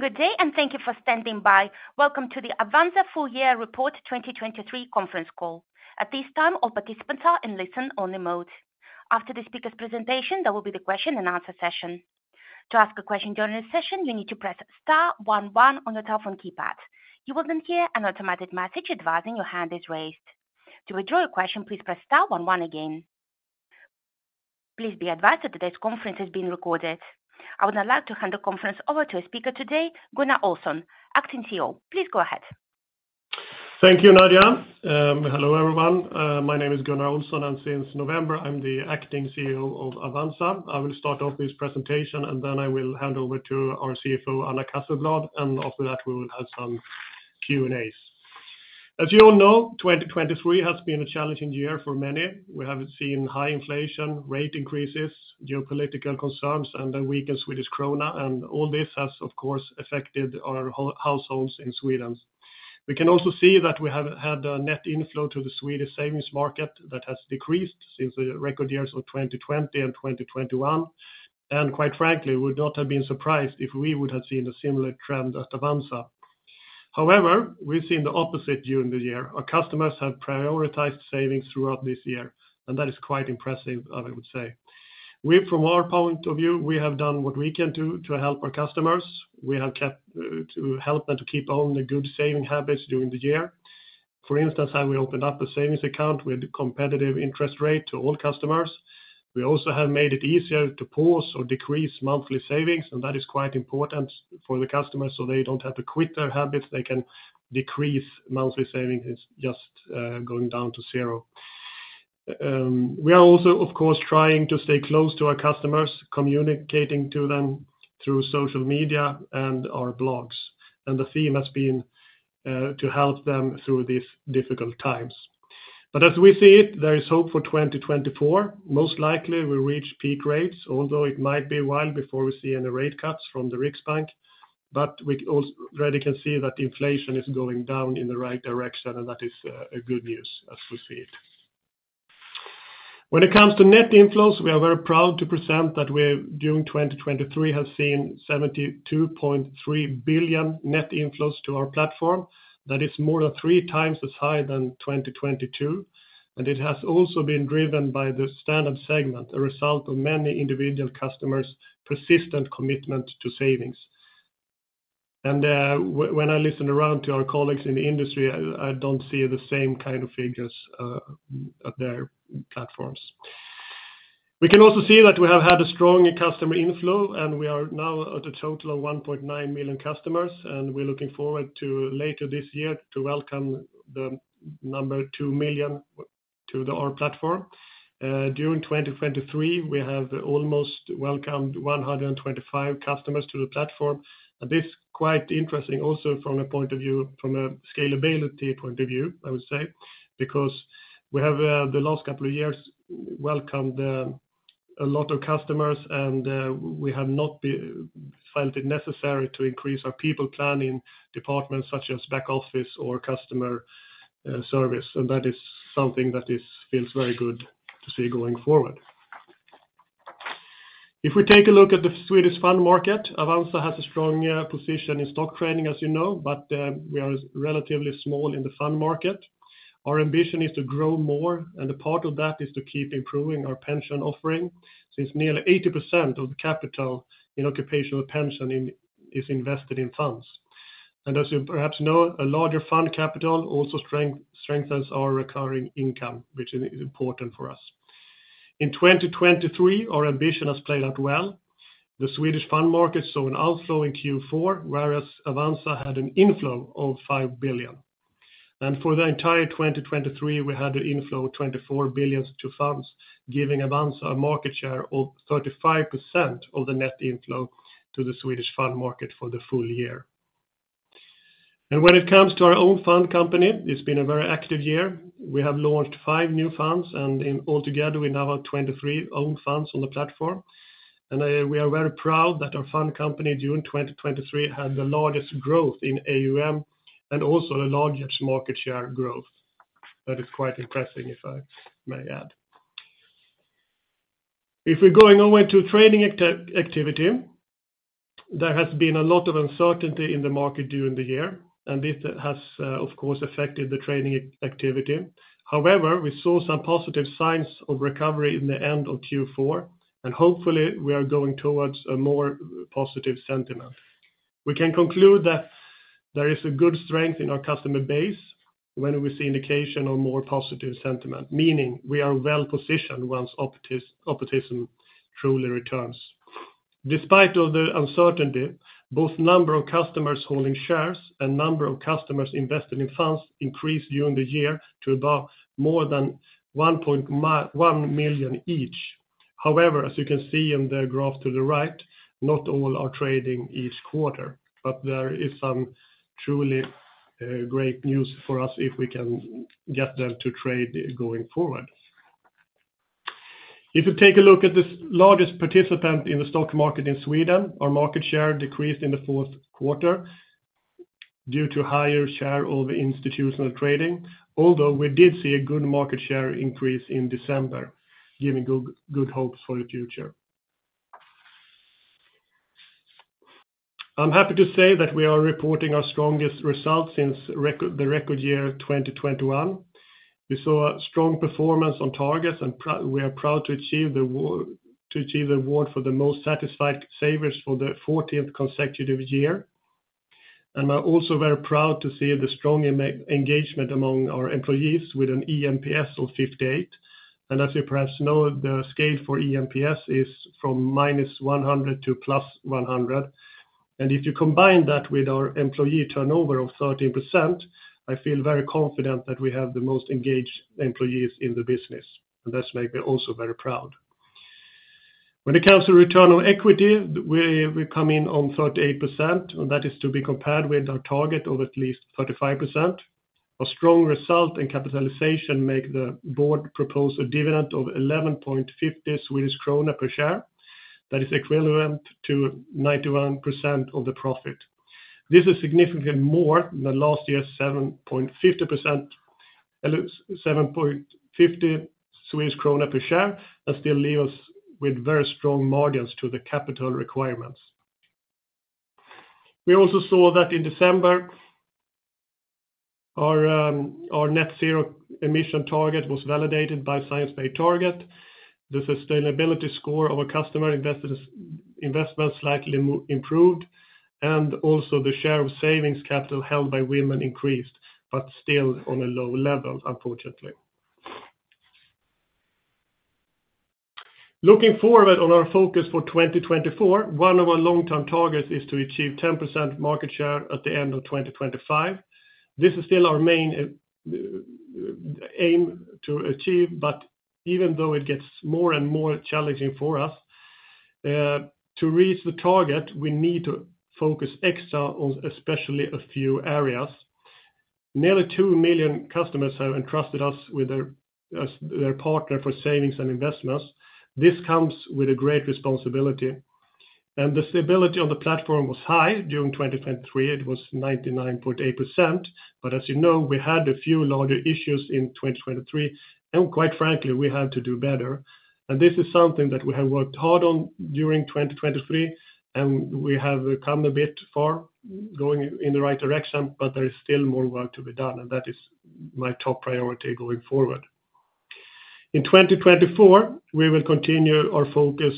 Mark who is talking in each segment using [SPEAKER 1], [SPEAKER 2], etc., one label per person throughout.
[SPEAKER 1] Good day, and thank you for standing by. Welcome to the Avanza Full Year Report 2023 conference call. At this time, all participants are in listen-only mode. After the speaker's presentation, there will be the question and answer session. To ask a question during this session, you need to press star one one on your telephone keypad. You will then hear an automatic message advising your hand is raised. To withdraw your question, please press star one one again. Please be advised that today's conference is being recorded. I would now like to hand the conference over to a speaker today, Gunnar Olsson, Acting CEO. Please go ahead.
[SPEAKER 2] Thank you, Nadia. Hello, everyone. My name is Gunnar Olsson, and since November, I'm the Acting CEO of Avanza. I will start off this presentation, and then I will hand over to our CFO, Anna Casselblad, and after that, we will have some Q&As. As you all know, 2023 has been a challenging year for many. We have seen high inflation, rate increases, geopolitical concerns, and a weakened Swedish krona, and all this has, of course, affected our households in Sweden. We can also see that we have had a net inflow to the Swedish savings market that has decreased since the record years of 2020 and 2021, and quite frankly, would not have been surprised if we would have seen a similar trend at Avanza. However, we've seen the opposite during the year. Our customers have prioritized savings throughout this year, and that is quite impressive, I would say. We, from our point of view, we have done what we can do to help our customers. We have kept to help them to keep on the good saving habits during the year. For instance, how we opened up a savings account with competitive interest rate to all customers. We also have made it easier to pause or decrease monthly savings, and that is quite important for the customers, so they don't have to quit their habits. They can decrease monthly savings, it's just going down to zero. We are also, of course, trying to stay close to our customers, communicating to them through social media and our blogs, and the theme has been to help them through these difficult times. But as we see it, there is hope for 2024. Most likely, we reach peak rates, although it might be a while before we see any rate cuts from the Riksbank, but we also already can see that inflation is going down in the right direction, and that is a good news as we see it. When it comes to net inflows, we are very proud to present that we, during 2023, have seen 72.3 billion net inflows to our platform. That is more than three times as high than 2022, and it has also been driven by the Standard segment, a result of many individual customers' persistent commitment to savings. And when I listen around to our colleagues in the industry, I don't see the same kind of figures at their platforms. We can also see that we have had a strong customer inflow, and we are now at a total of 1.9 million customers, and we're looking forward to later this year to welcome the number 2 million to our platform. During 2023, we have almost welcomed 125 customers to the platform. And this is quite interesting also from a scalability point of view, I would say, because we have the last couple of years welcomed a lot of customers, and we have not felt it necessary to increase our people planning departments such as back office or customer service, and that is something that feels very good to see going forward. If we take a look at the Swedish fund market, Avanza has a strong position in stock trading, as you know, but we are relatively small in the fund market. Our ambition is to grow more, and a part of that is to keep improving our pension offering, since nearly 80% of the capital in occupational pension is invested in funds. As you perhaps know, a larger fund capital also strengthens our recurring income, which is important for us. In 2023, our ambition has played out well. The Swedish fund market saw an outflow in Q4, whereas Avanza had an inflow of 5 billion. And for the entire 2023, we had an inflow of 24 billion to funds, giving Avanza a market share of 35% of the net inflow to the Swedish fund market for the full year. When it comes to our own fund company, it's been a very active year. We have launched 5 new funds, and in altogether, we now have 23 own funds on the platform. We are very proud that our fund company, during 2023, had the largest growth in AUM and also the largest market share growth. That is quite impressive, if I may add. If we're going away to trading activity, there has been a lot of uncertainty in the market during the year, and this has, of course, affected the trading activity. However, we saw some positive signs of recovery in the end of Q4, and hopefully, we are going towards a more positive sentiment. We can conclude that there is a good strength in our customer base when we see indication of more positive sentiment, meaning we are well positioned once opportunism truly returns. Despite all the uncertainty, both number of customers holding shares and number of customers invested in funds increased during the year to about more than 1 million each. However, as you can see in the graph to the right, not all are trading each quarter, but there is some truly great news for us if we can get them to trade going forward. If you take a look at the largest participant in the stock market in Sweden, our market share decreased in the fourth quarter due to higher share of institutional trading, although we did see a good market share increase in December, giving good, good hopes for the future. I'm happy to say that we are reporting our strongest results since the record year 2021. We saw a strong performance on targets, and we are proud to achieve the award, to achieve the award for the most satisfied savers for the 14th consecutive year. I'm also very proud to see the strong engagement among our employees with an eNPS of 58. As you perhaps know, the scale for eNPS is from -100 to +100. If you combine that with our employee turnover of 13%, I feel very confident that we have the most engaged employees in the business, and that's make me also very proud. When it comes to return on equity, we, we come in on 38%, and that is to be compared with our target of at least 35%. A strong result in capitalization make the board propose a dividend of 11.50 Swedish krona per share. That is equivalent to 91% of the profit. This is significantly more than last year's 7.50%, SEK 7.50 per share, and still leave us with very strong margins to the capital requirements. We also saw that in December, our net zero emission target was validated by Science Based Targets. The sustainability score of our customer investors, investment slightly improved, and also the share of savings capital held by women increased, but still on a low level, unfortunately. Looking forward on our focus for 2024, one of our long-term targets is to achieve 10% market share at the end of 2025. This is still our main aim to achieve, but even though it gets more and more challenging for us, to reach the target, we need to focus extra on especially a few areas. Nearly 2 million customers have entrusted us with their, as their partner for savings and investments. This comes with a great responsibility, and the stability of the platform was high during 2023. It was 99.8%. But as you know, we had a few larger issues in 2023, and quite frankly, we had to do better. And this is something that we have worked hard on during 2023, and we have come a bit far going in the right direction, but there is still more work to be done, and that is my top priority going forward. In 2024, we will continue our focus,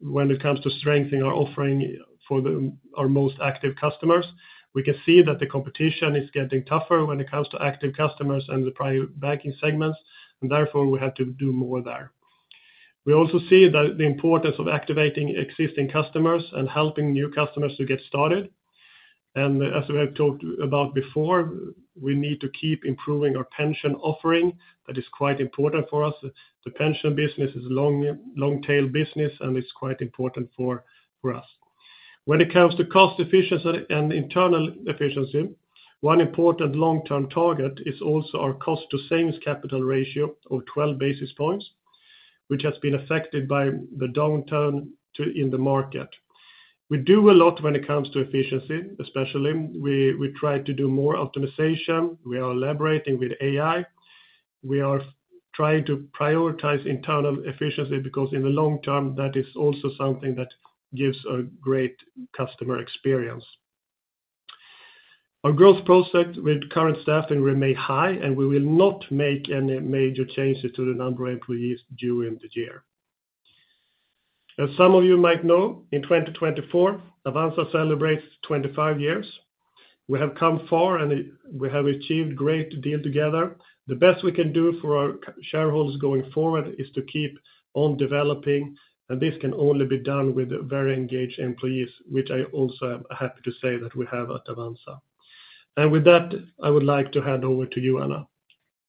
[SPEAKER 2] when it comes to strengthening our offering for the, our most active customers. We can seeF that the competition is getting tougher when it comes to active customers and the Private Banking segments, and therefore, we have to do more there. We also see the importance of activating existing customers and helping new customers to get started. As we have talked about before, we need to keep improving our pension offering. That is quite important for us. The pension business is long, long tail business, and it's quite important for us. When it comes to cost efficiency and internal efficiency, one important long-term target is also our cost to savings capital ratio of 12 basis points, which has been affected by the downturn in the market. We do a lot when it comes to efficiency, especially we try to do more optimization. We are collaborating with AI. We are trying to prioritize internal efficiency because in the long term, that is also something that gives a great customer experience. Our growth prospect with current staffing remain high, and we will not make any major changes to the number of employees during the year. As some of you might know, in 2024, Avanza celebrates 25 years. We have come far, and we have achieved great deal together. The best we can do for our shareholders going forward is to keep on developing, and this can only be done with very engaged employees, which I also am happy to say that we have at Avanza. With that, I would like to hand over to you, Anna.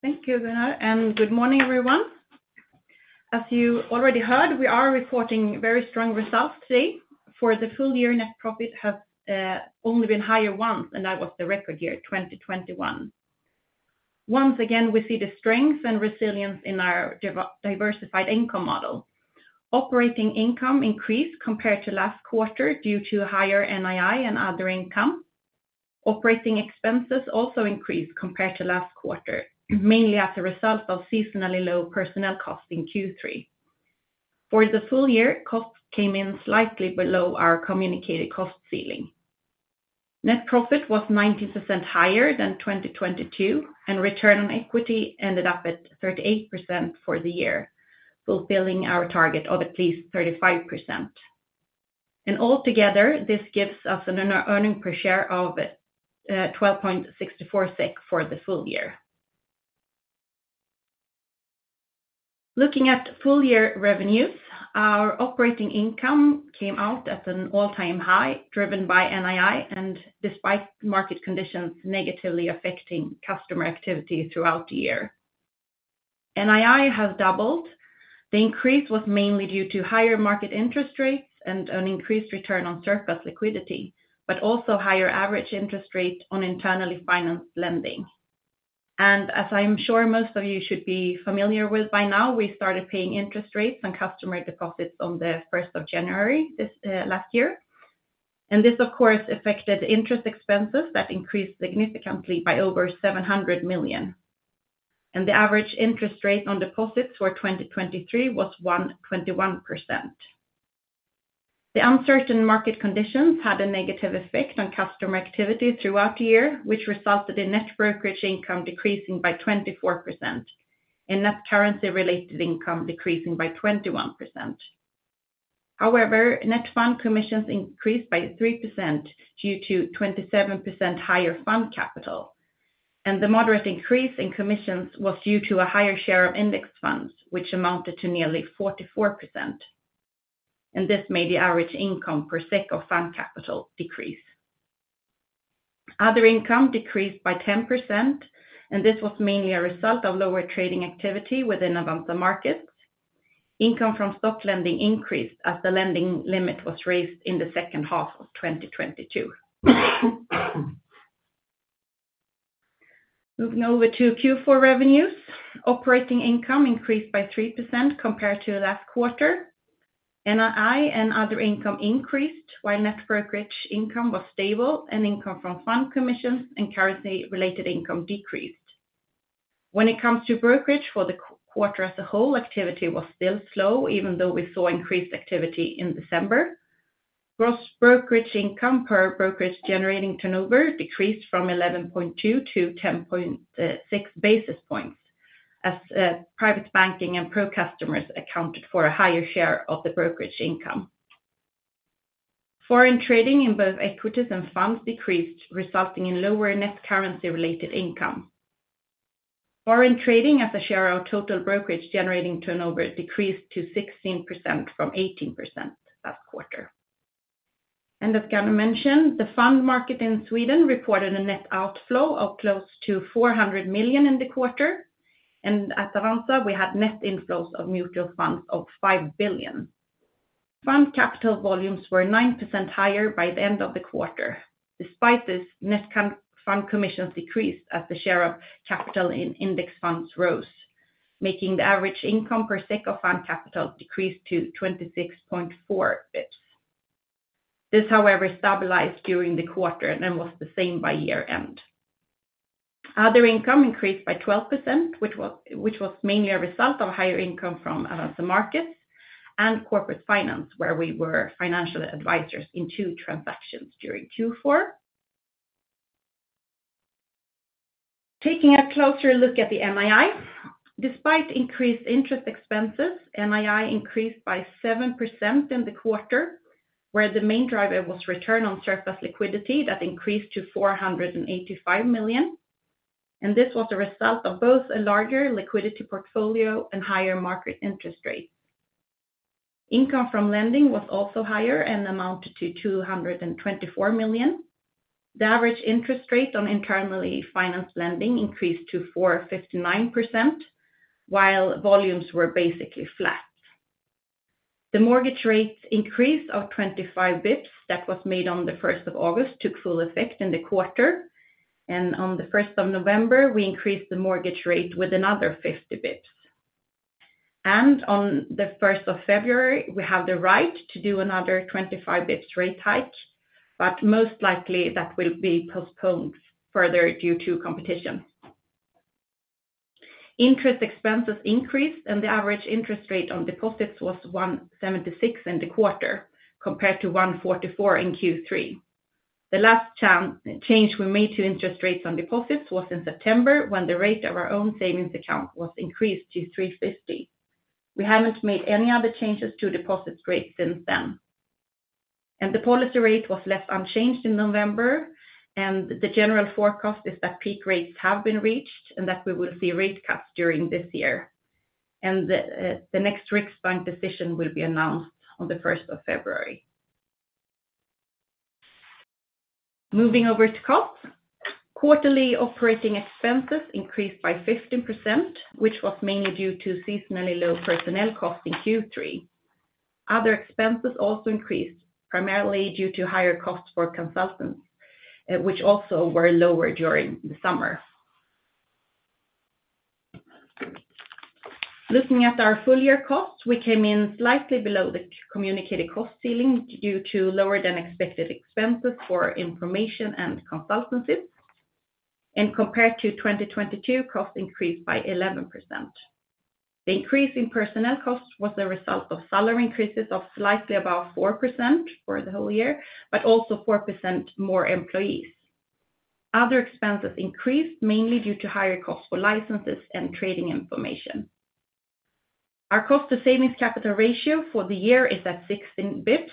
[SPEAKER 3] Thank you, Gunnar, and good morning, everyone. As you already heard, we are reporting very strong results today. For the full year, net profit has only been higher once, and that was the record year, 2021. Once again, we see the strength and resilience in our diversified income model. Operating income increased compared to last quarter due to higher NII and other income. Operating expenses also increased compared to last quarter, mainly as a result of seasonally low personnel costs in Q3. For the full year, costs came in slightly below our communicated cost ceiling. Net profit was 19% higher than 2022, and return on equity ended up at 38% for the year, fulfilling our target of at least 35%. Altogether, this gives us an earning per share of 12.64 SEK for the full year. Looking at full year revenues, our operating income came out at an all-time high, driven by NII, and despite market conditions negatively affecting customer activity throughout the year. NII has doubled. The increase was mainly due to higher market interest rates and an increased return on surplus liquidity, but also higher average interest rate on internally financed lending. And as I'm sure most of you should be familiar with by now, we started paying interest rates on customer deposits on the first of January, this, last year. And this, of course, affected interest expenses that increased significantly by over 700 million. And the average interest rate on deposits for 2023 was 1.21%. The uncertain market conditions had a negative effect on customer activity throughout the year, which resulted in net brokerage income decreasing by 24%, and net currency related income decreasing by 21%. However, net fund commissions increased by 3% due to 27% higher fund capital, and the moderate increase in commissions was due to a higher share of index funds, which amounted to nearly 44%. This made the average income per SEK of fund capital decrease. Other income decreased by 10%, and this was mainly a result of lower trading activity within Avanza Markets. Income from stock lending increased as the lending limit was raised in the second half of 2022. Moving over to Q4 revenues, operating income increased by 3% compared to last quarter. NII and other income increased, while net brokerage income was stable, and income from fund commissions and currency related income decreased. When it comes to brokerage for the quarter as a whole, activity was still slow, even though we saw increased activity in December. Gross brokerage income per brokerage generating turnover decreased from 11.2-10.6 basis points, as Private Banking and Pro customers accounted for a higher share of the brokerage income. Foreign trading in both equities and funds decreased, resulting in lower net currency related income. Foreign trading as a share of total brokerage generating turnover decreased to 16% from 18% last quarter. As Gunnar mentioned, the fund market in Sweden reported a net outflow of close to 400 million in the quarter, and at Avanza, we had net inflows of mutual funds of 5 billion. Fund capital volumes were 9% higher by the end of the quarter. Despite this, net fund commissions decreased as the share of capital in index funds rose, making the average income per SEK of fund capital decrease to 26.4 basis points. This, however, stabilized during the quarter and was the same by year-end. Other income increased by 12%, which was mainly a result of higher income from Avanza Markets and corporate finance, where we were financial advisors in two transactions during Q4. Taking a closer look at the NII, despite increased interest expenses, NII increased by 7% in the quarter, where the main driver was return on surplus liquidity that increased to 485 million. And this was the result of both a larger liquidity portfolio and higher market interest rates. Income from lending was also higher and amounted to 224 million. The average interest rate on internally financed lending increased to 4.59%, while volumes were basically flat. The mortgage rates increase of 25 BPS that was made on the first of August took full effect in the quarter, and on the first of November, we increased the mortgage rate with another 50 BPS. On the first of February, we have the right to do another 25 BPS rate hike, but most likely that will be postponed further due to competition. Interest expenses increased, and the average interest rate on deposits was 1.76% in the quarter, compared to 1.44% in Q3. The last change we made to interest rates on deposits was in September, when the rate of our own savings account was increased to 3.50%. We haven't made any other changes to deposit rates since then. The policy rate was left unchanged in November, and the general forecast is that peak rates have been reached and that we will see rate cuts during this year. The next Riksbank decision will be announced on the first of February. Moving over to costs, quarterly operating expenses increased by 15%, which was mainly due to seasonally low personnel costs in Q3. Other expenses also increased, primarily due to higher costs for consultants, which also were lower during the summer. Looking at our full year costs, we came in slightly below the communicated cost ceiling due to lower than expected expenses for information and consultancies. Compared to 2022, costs increased by 11%. The increase in personnel costs was a result of salary increases of slightly above 4% for the whole year, but also 4% more employees. Other expenses increased, mainly due to higher costs for licenses and trading information. Our cost to savings capital ratio for the year is at 16 BPS,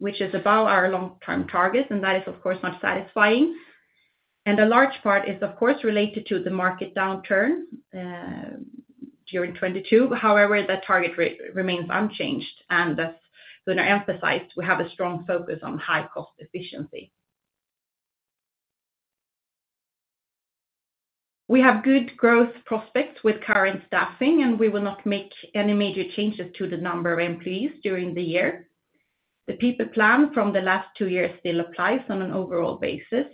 [SPEAKER 3] which is above our long-term target, and that is, of course, not satisfying. A large part is, of course, related to the market downturn during 2022. However, that target remains unchanged, and as Gunnar emphasized, we have a strong focus on high cost efficiency. We have good growth prospects with current staffing, and we will not make any major changes to the number of employees during the year. The people plan from the last two years still applies on an overall basis,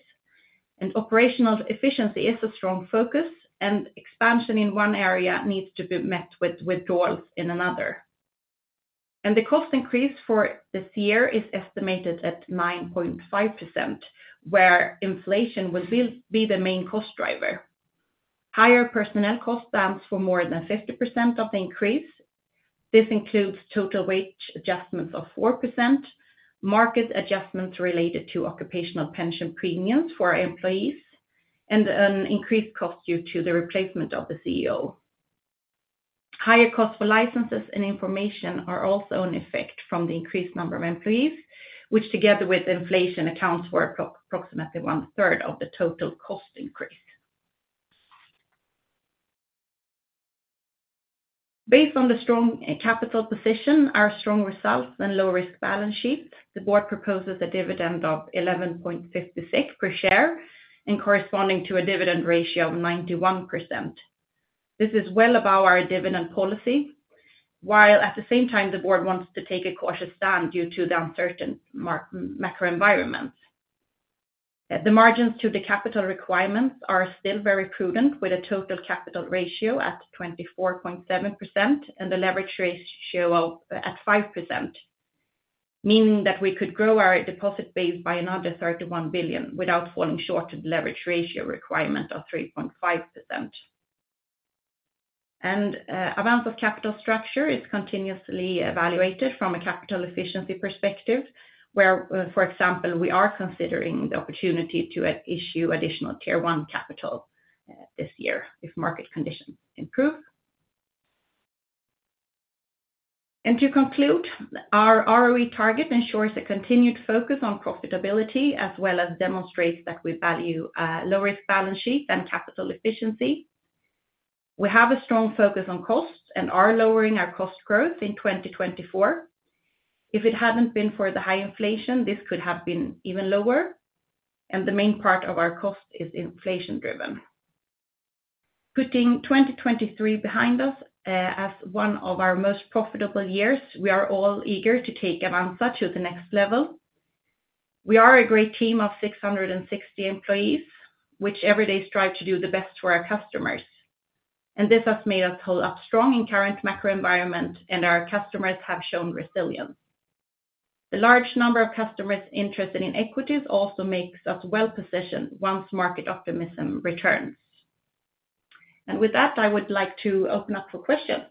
[SPEAKER 3] and operational efficiency is a strong focus, and expansion in one area needs to be met with withdrawals in another. The cost increase for this year is estimated at 9.5%, where inflation will be the main cost driver. Higher personnel costs stands for more than 50% of the increase. This includes total wage adjustments of 4%, market adjustments related to occupational pension premiums for our employees, and an increased cost due to the replacement of the CEO. Higher cost for licenses and information are also in effect from the increased number of employees, which together with inflation, accounts for approximately one third of the total cost increase. Based on the strong capital position, our strong results and low risk balance sheet, the board proposes a dividend of 11.56 per share and corresponding to a dividend ratio of 91%. This is well above our dividend policy, while at the same time, the board wants to take a cautious stand due to the uncertain macro environment. The margins to the capital requirements are still very prudent, with a total capital ratio at 24.7% and the leverage ratio at 5%, meaning that we could grow our deposit base by another 31 billion without falling short of the leverage ratio requirement of 3.5%. And, amount of capital structure is continuously evaluated from a capital efficiency perspective, where, for example, we are considering the opportunity to issue Additional Tier 1 capital, this year, if market conditions improve. And to conclude, our ROE target ensures a continued focus on profitability, as well as demonstrates that we value, low-risk balance sheet and capital efficiency. We have a strong focus on costs and are lowering our cost growth in 2024. If it hadn't been for the high inflation, this could have been even lower, and the main part of our cost is inflation driven. Putting 2023 behind us, as one of our most profitable years, we are all eager to take Avanza to the next level. We are a great team of 660 employees, which every day strive to do the best for our customers, and this has made us hold up strong in current macro environment, and our customers have shown resilience. The large number of customers interested in equities also makes us well-positioned once market optimism returns. With that, I would like to open up for questions.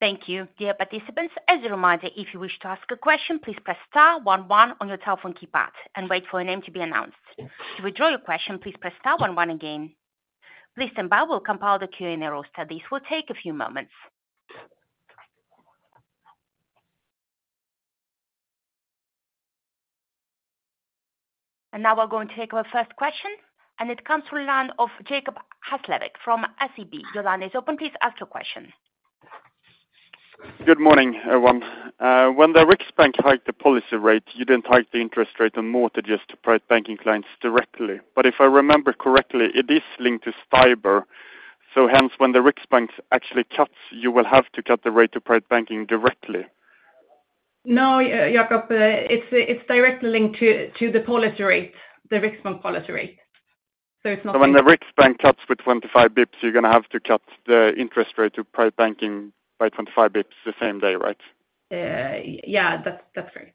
[SPEAKER 1] Thank you. Dear participants, as a reminder, if you wish to ask a question, please press star one one on your telephone keypad and wait for your name to be announced. To withdraw your question, please press star one one again. Please stand by, we'll compile the Q&A roster. This will take a few moments. Now we're going to take our first question, and it comes from the line of Jacob Hesslevik from SEB. Your line is open. Please ask your question.
[SPEAKER 4] Good morning, everyone. When the Riksbank hiked the policy rate, you didn't hike the interest rate on mortgages to Private Banking clients directly, but if I remember correctly, it is linked to STIBOR. So hence, when the Riksbank actually cuts, you will have to cut the rate to Private Banking directly.
[SPEAKER 3] No, Jacob, it's directly linked to the policy rate, the Riksbank policy rate. So it's not-
[SPEAKER 4] So when the Riksbank cuts with 25 BPS, you're gonna have to cut the interest rate to Private Banking by 25 BPS the same day, right?
[SPEAKER 3] Yeah, that's right.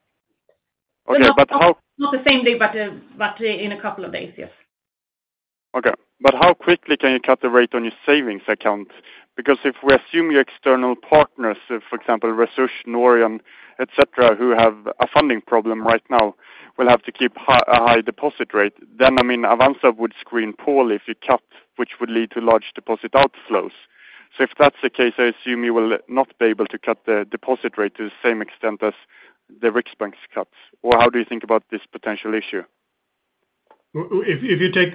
[SPEAKER 4] Okay, but how-
[SPEAKER 3] Not the same day, but, but in a couple of days, yes.
[SPEAKER 4] Okay, but how quickly can you cut the rate on your savings account? Because if we assume your external partners, for example, Resurs, Norion, et cetera, who have a funding problem right now, will have to keep a high deposit rate, then, I mean, Avanza would screen poorly if you cut, which would lead to large deposit outflows. So if that's the case, I assume you will not be able to cut the deposit rate to the same extent as the Riksbank's cuts. Or how do you think about this potential issue?
[SPEAKER 2] If, if you take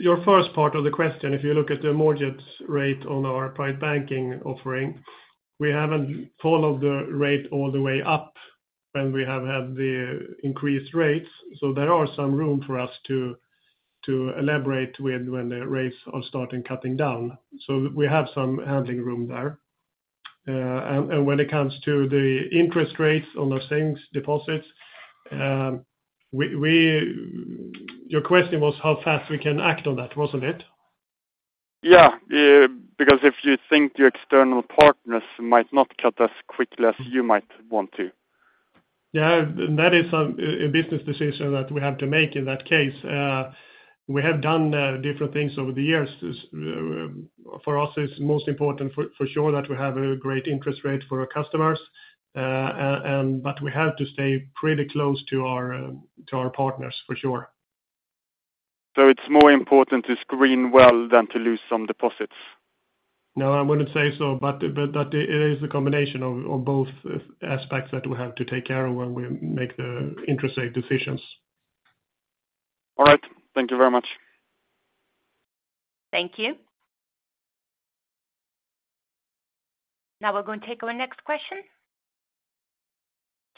[SPEAKER 2] your first part of the question, if you look at the mortgage rate on our Private Banking offering, we haven't followed the rate all the way up when we have had the increased rates, so there are some room for us to elaborate with when the rates are starting cutting down. So we have some handling room there. And when it comes to the interest rates on the savings deposits, we... Your question was how fast we can act on that, wasn't it?
[SPEAKER 4] Yeah, because if you think your external partners might not cut as quickly as you might want to.
[SPEAKER 2] Yeah, that is a business decision that we have to make in that case. We have done different things over the years. For us, it's most important for sure that we have a great interest rate for our customers, and but we have to stay pretty close to our to our partners, for sure.
[SPEAKER 4] So it's more important to screen well than to lose some deposits?
[SPEAKER 2] No, I wouldn't say so, but that it is a combination of both aspects that we have to take care of when we make the interest rate decisions.
[SPEAKER 4] All right. Thank you very much.
[SPEAKER 1] Thank you. Now we're going to take our next question.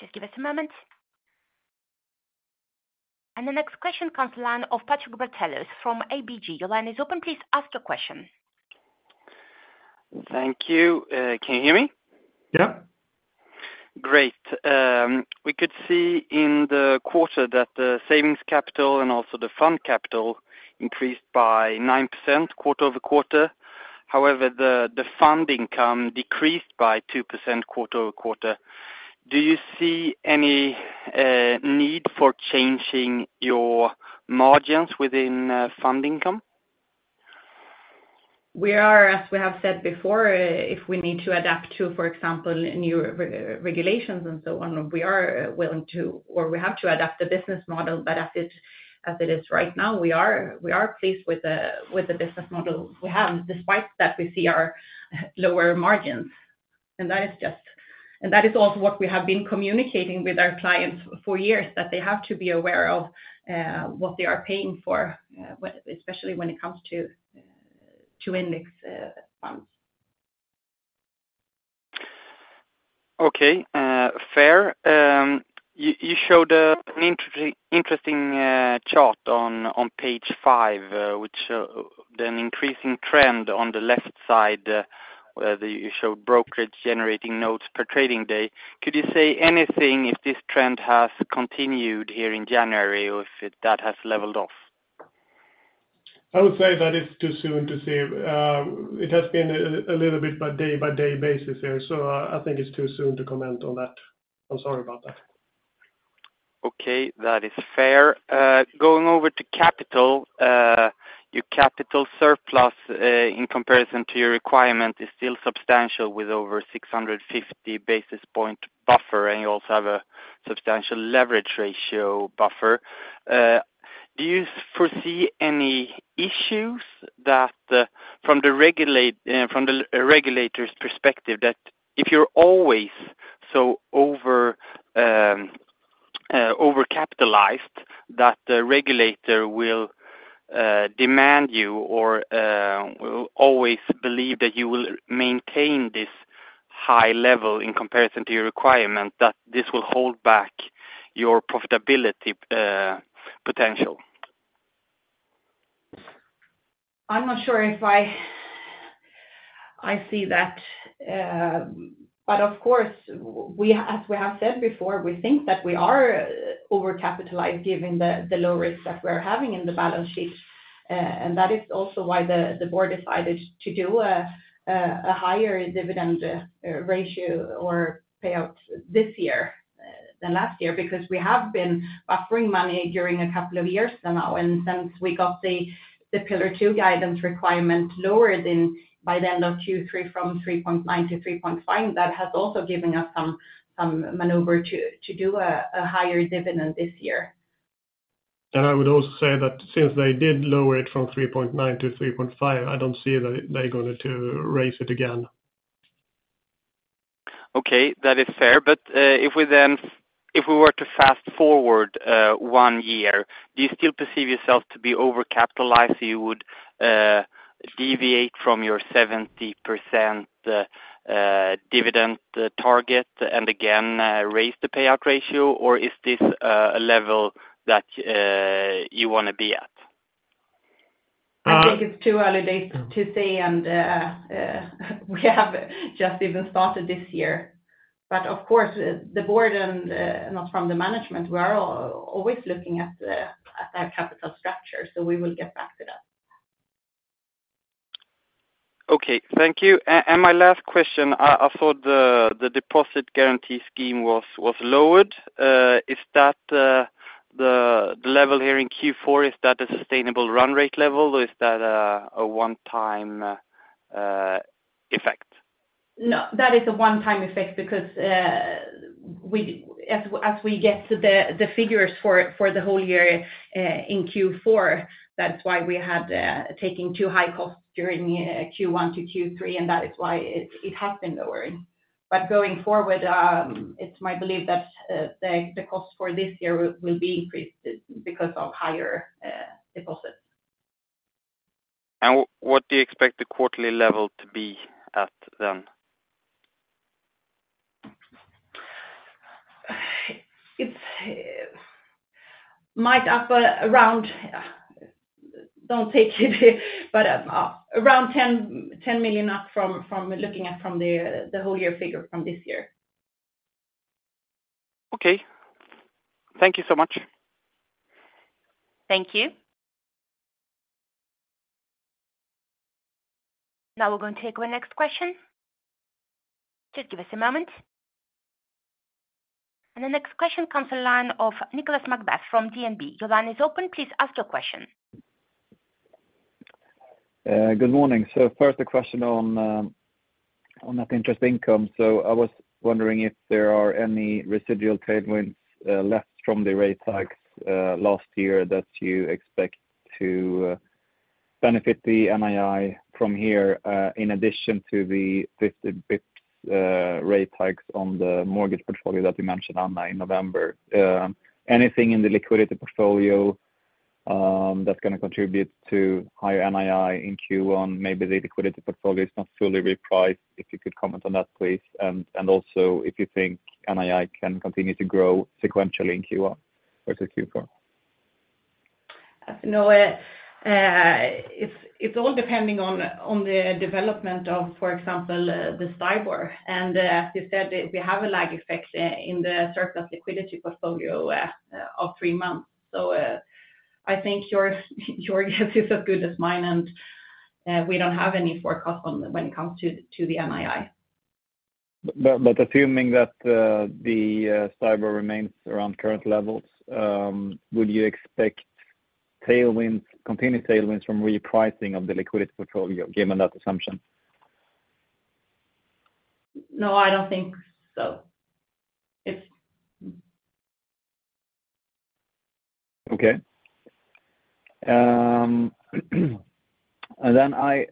[SPEAKER 1] Just give us a moment…. And the next question comes the line of Patrik Brattelius from ABG. Your line is open, please ask your question.
[SPEAKER 5] Thank you. Can you hear me?
[SPEAKER 2] Yeah.
[SPEAKER 5] Great. We could see in the quarter that the savings capital and also the fund capital increased by 9% quarter-over-quarter. However, the fund income decreased by 2% quarter-over-quarter. Do you see any need for changing your margins within fund income?
[SPEAKER 3] We are, as we have said before, if we need to adapt to, for example, new regulations and so on, we are willing to, or we have to adapt the business model. But as it is right now, we are pleased with the business model we have, despite that we see our lower margins. And that is just, and that is also what we have been communicating with our clients for years, that they have to be aware of what they are paying for, especially when it comes to index funds.
[SPEAKER 5] Okay, fair. You showed an interesting chart on page five, which an increasing trend on the left side, where you showed brokerage generating turnover per trading day. Could you say anything if this trend has continued here in January, or if that has leveled off?
[SPEAKER 2] I would say that it's too soon to say. It has been a little bit by day by day basis here, so I think it's too soon to comment on that. I'm sorry about that.
[SPEAKER 5] Okay, that is fair. Going over to capital, your capital surplus in comparison to your requirement is still substantial, with over 650 basis point buffer, and you also have a substantial leverage ratio buffer. Do you foresee any issues that from the regulator's perspective, that if you're always so overcapitalized, that the regulator will demand you, or will always believe that you will maintain this high level in comparison to your requirement, that this will hold back your profitability potential?
[SPEAKER 3] I'm not sure if I see that. But of course, as we have said before, we think that we are overcapitalized given the low risk that we're having in the balance sheet. And that is also why the board decided to do a higher dividend ratio or payout this year than last year, because we have been buffering money during a couple of years now. And since we got the Pillar II guidance requirement lowered in by the end of Q3 from 3.9-3.5, that has also given us some maneuver to do a higher dividend this year.
[SPEAKER 2] I would also say that since they did lower it from 3.9-3.5, I don't see that they're going to raise it again.
[SPEAKER 5] Okay, that is fair. But, if we were to fast forward one year, do you still perceive yourself to be overcapitalized, so you would deviate from your 70% dividend target and again raise the payout ratio? Or is this a level that you want to be at?
[SPEAKER 2] Uh-
[SPEAKER 3] I think it's too early days to say, and we have just even started this year. But of course, the board and not from the management, we are all always looking at our capital structure, so we will get back to that.
[SPEAKER 5] Okay, thank you. And my last question, I thought the deposit guarantee scheme was lowered. Is that the level here in Q4, is that a sustainable run rate level, or is that a one-time effect?
[SPEAKER 3] No, that is a one-time effect because we as we get to the figures for the whole year in Q4, that's why we had taken two high costs during Q1 to Q3, and that is why it has been lowering. But going forward, it's my belief that the cost for this year will be increased because of higher deposits.
[SPEAKER 5] What do you expect the quarterly level to be at then?
[SPEAKER 3] It might be up around SEK 10 million, don't take it, but around 10 million up from looking at the whole year figure from this year.
[SPEAKER 5] Okay. Thank you so much.
[SPEAKER 1] Thank you. Now we're going to take our next question. Just give us a moment. And the next question comes from the line of Nicolas MacBeath from DNB. Your line is open. Please ask your question.
[SPEAKER 6] Good morning. First, a question on, on that interest income. I was wondering if there are any residual tailwinds, left from the rate hikes, last year that you expect to benefit the NII from here, in addition to the 50 BPS rate hikes on the mortgage portfolio that you mentioned, Anna, in November? Anything in the liquidity portfolio?... That's gonna contribute to higher NII in Q1, maybe the liquidity portfolio is not fully repriced, if you could comment on that, please. Also if you think NII can continue to grow sequentially in Q1 versus Q4?
[SPEAKER 3] As you know, it's all depending on the development of, for example, STIBOR. And as you said, we have a lag effect in the surplus liquidity portfolio of three months. So, I think your guess is as good as mine, and we don't have any forecast on when it comes to the NII.
[SPEAKER 6] But assuming that the STIBOR remains around current levels, would you expect tailwinds, continued tailwinds from repricing of the liquidity portfolio given that assumption?
[SPEAKER 3] No, I don't think so. It's-
[SPEAKER 6] Okay. And then I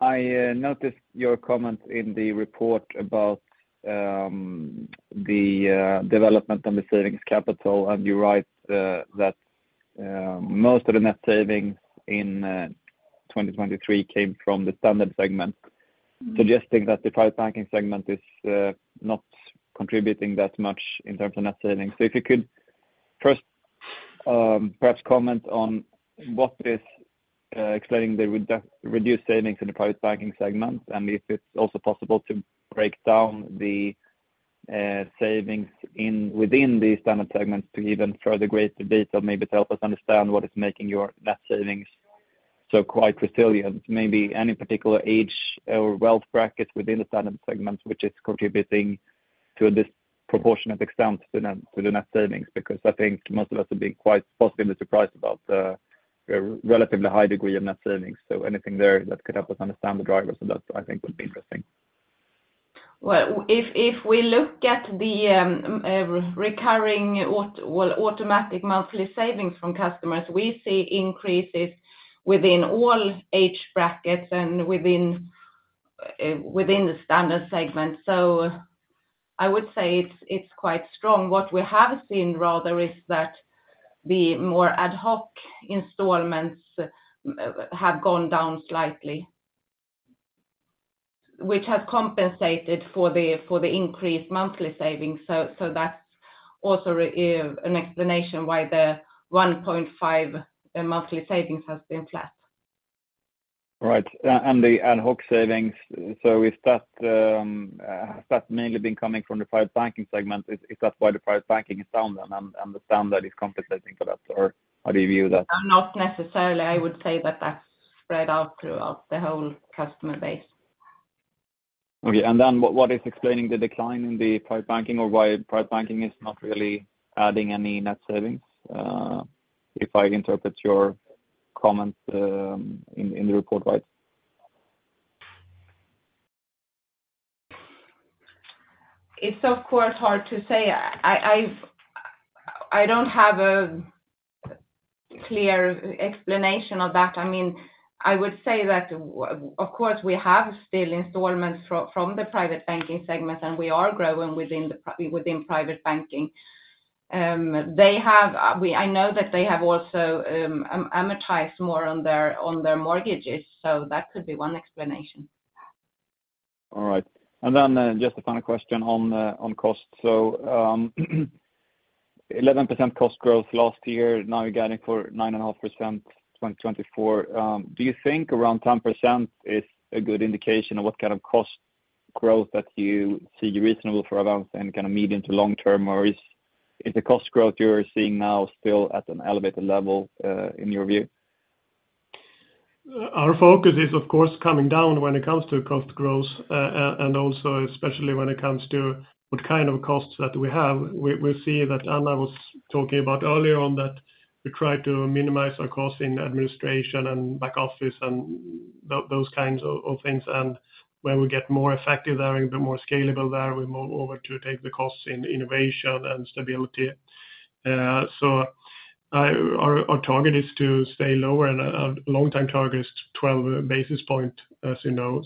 [SPEAKER 6] noticed your comment in the report about the development and the savings capital, and you write that most of the net savings in 2023 came from the Standard segment, suggesting that the Private Banking segment is not contributing that much in terms of net savings. So if you could first perhaps comment on what is explaining the reduced savings in the Private Banking segment, and if it's also possible to break down the savings within the Standard segments to even further greater detail, maybe to help us understand what is making your net savings so quite resilient. Maybe any particular age or wealth bracket within the Standard segment, which is contributing to a disproportionate extent to the net savings, because I think most of us are being quite positively surprised about the relatively high degree of net savings. So anything there that could help us understand the drivers of that, I think, would be interesting.
[SPEAKER 3] Well, if we look at the automatic monthly savings from customers, we see increases within all age brackets and within the Standard segment. So I would say it's quite strong. What we have seen rather is that the more ad hoc installments have gone down slightly, which have compensated for the increased monthly savings. So that's also an explanation why the 1.5 monthly savings has been flat.
[SPEAKER 6] Right. And the ad hoc savings, so is that has that mainly been coming from the Private Banking segment? Is, is that why the Private Banking is down then, and, and the Standard is compensating for that, or how do you view that?
[SPEAKER 3] Not necessarily. I would say that that's spread out throughout the whole customer base.
[SPEAKER 6] Okay. And then what is explaining the decline in Private Banking, or why Private Banking is not really adding any net savings? If I interpret your comment in the report right?
[SPEAKER 3] It's, of course, hard to say. I don't have a clear explanation of that. I mean, I would say that, of course, we have still installments from the Private Banking segment, and we are growing within Private Banking. I know that they have also amortized more on their mortgages, so that could be one explanation.
[SPEAKER 6] All right. And then just a final question on the, on cost. So, 11% cost growth last year, now you're guiding for 9.5%, 2024. Do you think around 10% is a good indication of what kind of cost growth that you see reasonable for Avanza and kind of medium to long term, or is, is the cost growth you are seeing now still at an elevated level, in your view?
[SPEAKER 2] Our focus is, of course, coming down when it comes to cost growth, and also especially when it comes to what kind of costs that we have. We see that Anna was talking about earlier on, that we try to minimize our costs in administration and back office and those kinds of things. And where we get more effective there, and a bit more scalable there, we move over to take the costs in innovation and stability. So, our target is to stay lower, and long-term target is 12 basis points, as you know.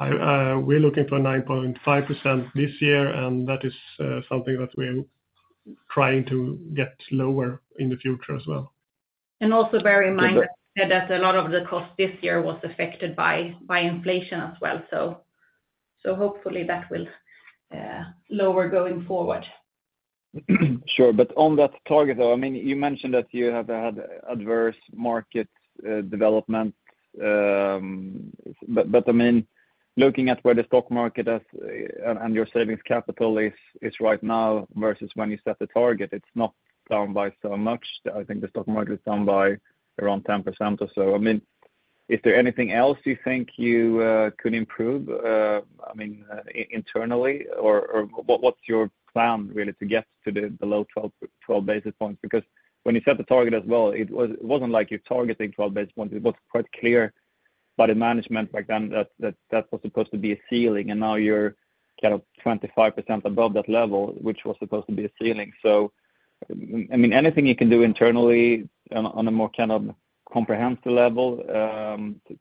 [SPEAKER 2] We're looking for 9.5% this year, and that is something that we're trying to get lower in the future as well.
[SPEAKER 3] And also bear in mind that a lot of the cost this year was affected by inflation as well, so hopefully that will lower going forward.
[SPEAKER 6] Sure. But on that target, though, I mean, you mentioned that you have had adverse market development. But I mean, looking at where the stock market has, and your savings capital is right now, versus when you set the target, it's not down by so much. I think the stock market is down by around 10% or so. I mean, is there anything else you think you could improve, I mean, internally? Or what, what's your plan, really, to get to the below 12, 12 basis points? Because when you set the target as well, it wasn't like you're targeting 12 basis points. It was quite clear by the management back then that that was supposed to be a ceiling, and now you're kind of 25% above that level, which was supposed to be a ceiling. So, I mean, anything you can do internally on a more kind of comprehensive level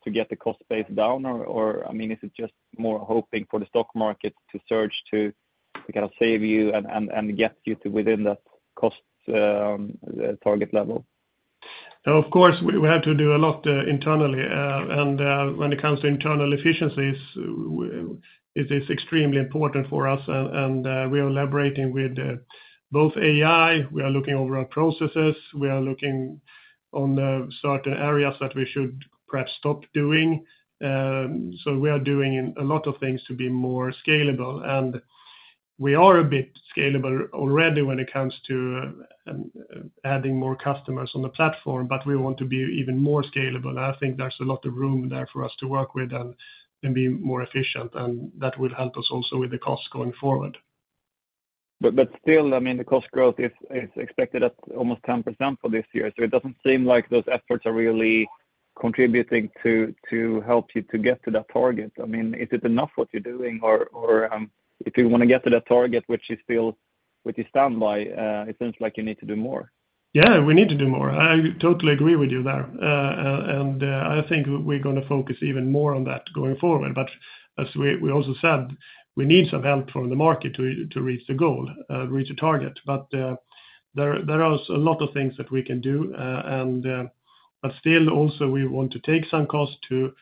[SPEAKER 6] to get the cost base down? Or, I mean, is it just more hoping for the stock market to surge to... we kind of save you and get you to within that cost target level?
[SPEAKER 2] Of course, we had to do a lot internally. And when it comes to internal efficiencies, it is extremely important for us, and we are collaborating with both AI. We are looking over our processes. We are looking on the certain areas that we should perhaps stop doing. So we are doing a lot of things to be more scalable, and we are a bit scalable already when it comes to adding more customers on the platform, but we want to be even more scalable. I think there's a lot of room there for us to work with and be more efficient, and that will help us also with the cost going forward.
[SPEAKER 6] But still, I mean, the cost growth is expected at almost 10% for this year, so it doesn't seem like those efforts are really contributing to help you to get to that target. I mean, is it enough what you're doing? Or, if you wanna get to that target, which you feel, which you stand by, it seems like you need to do more.
[SPEAKER 2] Yeah, we need to do more. I totally agree with you there. I think we're gonna focus even more on that going forward. But as we also said, we need some help from the market to reach the goal, reach the target. But there are a lot of things that we can do. But still, also, we want to take some cost to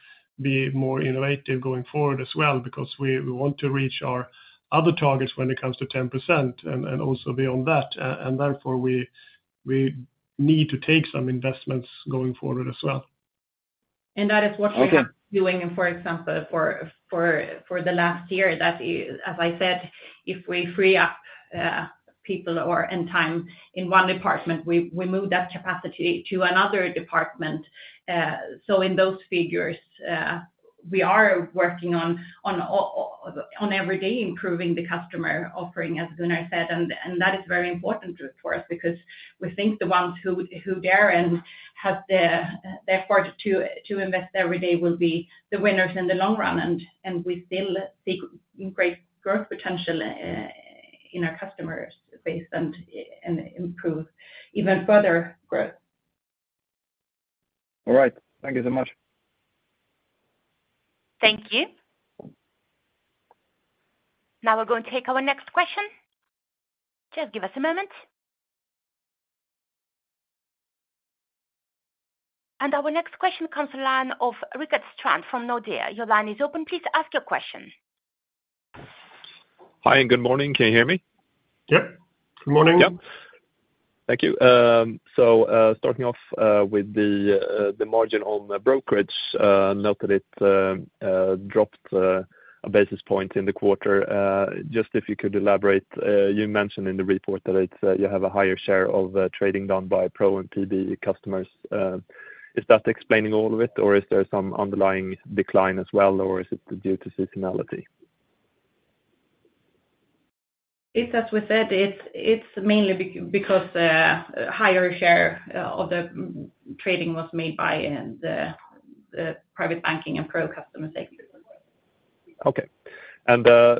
[SPEAKER 2] be more innovative going forward as well, because we want to reach our other targets when it comes to 10% and also beyond that. And therefore, we need to take some investments going forward as well.
[SPEAKER 3] And that is what-
[SPEAKER 6] Okay...
[SPEAKER 3] we are doing, and for example, for the last year, that is, as I said, if we free up people or and time in one department, we move that capacity to another department. So in those figures, we are working on every day improving the customer offering, as Gunnar said, and that is very important for us. Because we think the ones who dare and have the effort to invest every day will be the winners in the long run, and we still see great growth potential in our customer base and improve even further growth.
[SPEAKER 6] All right. Thank you so much.
[SPEAKER 1] Thank you. Now we're going to take our next question. Just give us a moment. And our next question comes from the line of Rickard Strand from Nordea. Your line is open. Please ask your question.
[SPEAKER 7] Hi, and good morning. Can you hear me?
[SPEAKER 2] Yep. Good morning.
[SPEAKER 7] Yeah. Thank you. So, starting off, with the margin on brokerage, note that it dropped a basis point in the quarter. Just if you could elaborate, you mentioned in the report that it's you have a higher share of trading done by Pro and PB customers. Is that explaining all of it, or is there some underlying decline as well, or is it due to seasonality?
[SPEAKER 3] It's as we said, it's mainly because higher share of the trading was made by the Private Banking and Pro customers segment.
[SPEAKER 7] Okay.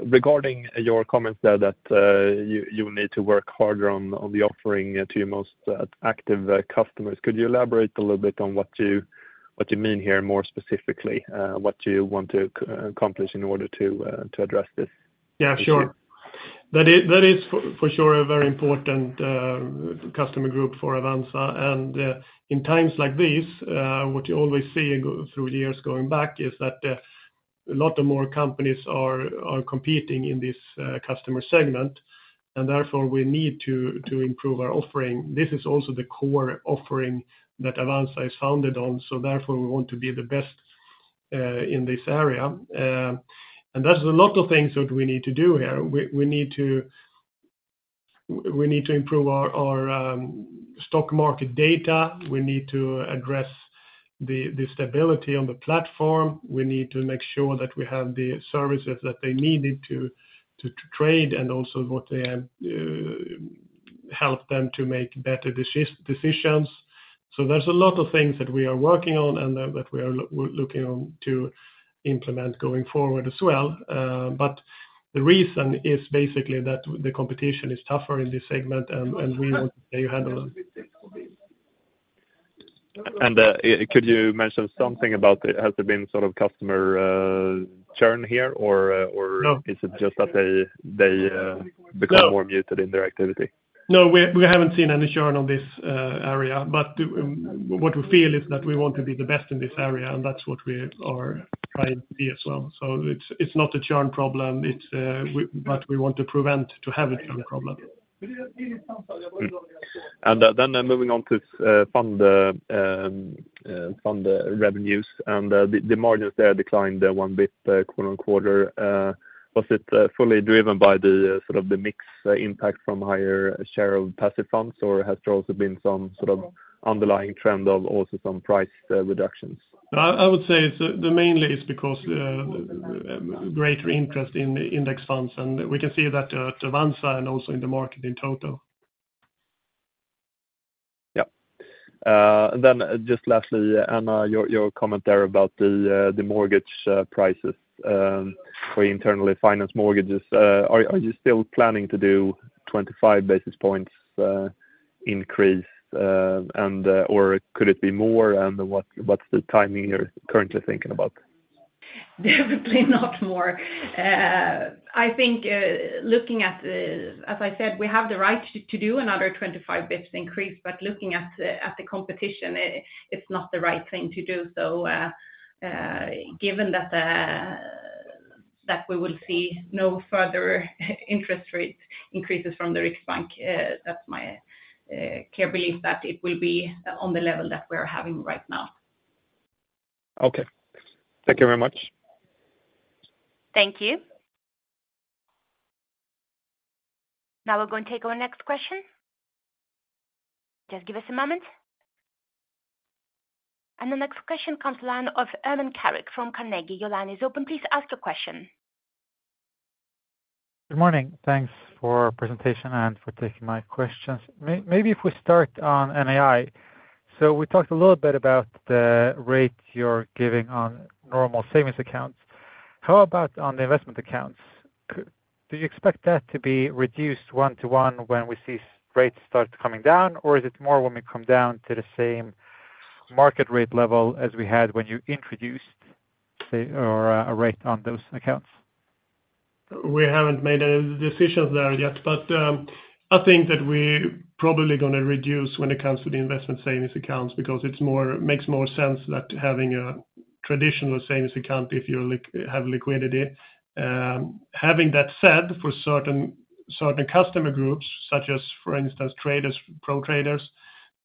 [SPEAKER 7] Regarding your comments there, that you need to work harder on the offering to your most active customers, could you elaborate a little bit on what you mean here, more specifically? What do you want to accomplish in order to address this?
[SPEAKER 2] Yeah, sure. That is, that is for, for sure, a very important customer group for Avanza. And, in times like this, what you always see going through years going back is that, a lot of more companies are competing in this customer segment, and therefore, we need to improve our offering. This is also the core offering that Avanza is founded on, so therefore we want to be the best in this area. And there's a lot of things that we need to do here. We need to improve our stock market data. We need to address the stability on the platform. We need to make sure that we have the services that they needed to trade and also what help them to make better decisions. So there's a lot of things that we are working on and, that we are looking on to implement going forward as well. But the reason is basically that the competition is tougher in this segment, and, and we want to handle them.
[SPEAKER 7] Could you mention something about the... has there been sort of customer churn here, or-
[SPEAKER 2] No...
[SPEAKER 7] or is it just that they?
[SPEAKER 2] No...
[SPEAKER 7] become more muted in their activity?
[SPEAKER 2] No, we haven't seen any churn on this area, but what we feel is that we want to be the best in this area, and that's what we are trying to be as well. So it's not a churn problem, but we want to prevent to have a churn problem.
[SPEAKER 7] Then moving on to fund revenues and the margins there declined one bit quarter-over-quarter. Was it fully driven by the sort of the mix impact from higher share of passive funds? Or has there also been some sort of underlying trend of also some price reductions?
[SPEAKER 2] I would say it's mainly because greater interest in index funds, and we can see that at Avanza and also in the market in total.
[SPEAKER 7] Yeah. And then just lastly, Anna, your comment there about the mortgage prices for internally financed mortgages. Are you still planning to do 25 basis points increase, and or could it be more? And what's the timing you're currently thinking about?...
[SPEAKER 3] definitely not more. I think, looking at the—as I said, we have the right to, to do another 25 basis points increase, but looking at the, at the competition, it, it's not the right thing to do. So, given that, that we will see no further interest rates increases from the Riksbank, that's my clear belief that it will be on the level that we're having right now.
[SPEAKER 7] Okay. Thank you very much.
[SPEAKER 1] Thank you. Now we're going to take our next question. Just give us a moment. And the next question comes to line of Ermin Keric from Carnegie. Your line is open. Please ask your question.
[SPEAKER 8] Good morning. Thanks for presentation and for taking my questions. Maybe if we start on NII. So we talked a little bit about the rate you're giving on normal savings accounts. How about on the investment accounts? Do you expect that to be reduced one to one when we see rates start coming down, or is it more when we come down to the same market rate level as we had when you introduced, say, or a rate on those accounts?
[SPEAKER 2] We haven't made any decisions there yet, but I think that we're probably gonna reduce when it comes to the investment savings accounts, because it makes more sense than having a traditional savings account if you have liquidity. Having that said, for certain customer groups, such as, for instance, traders, Pro traders,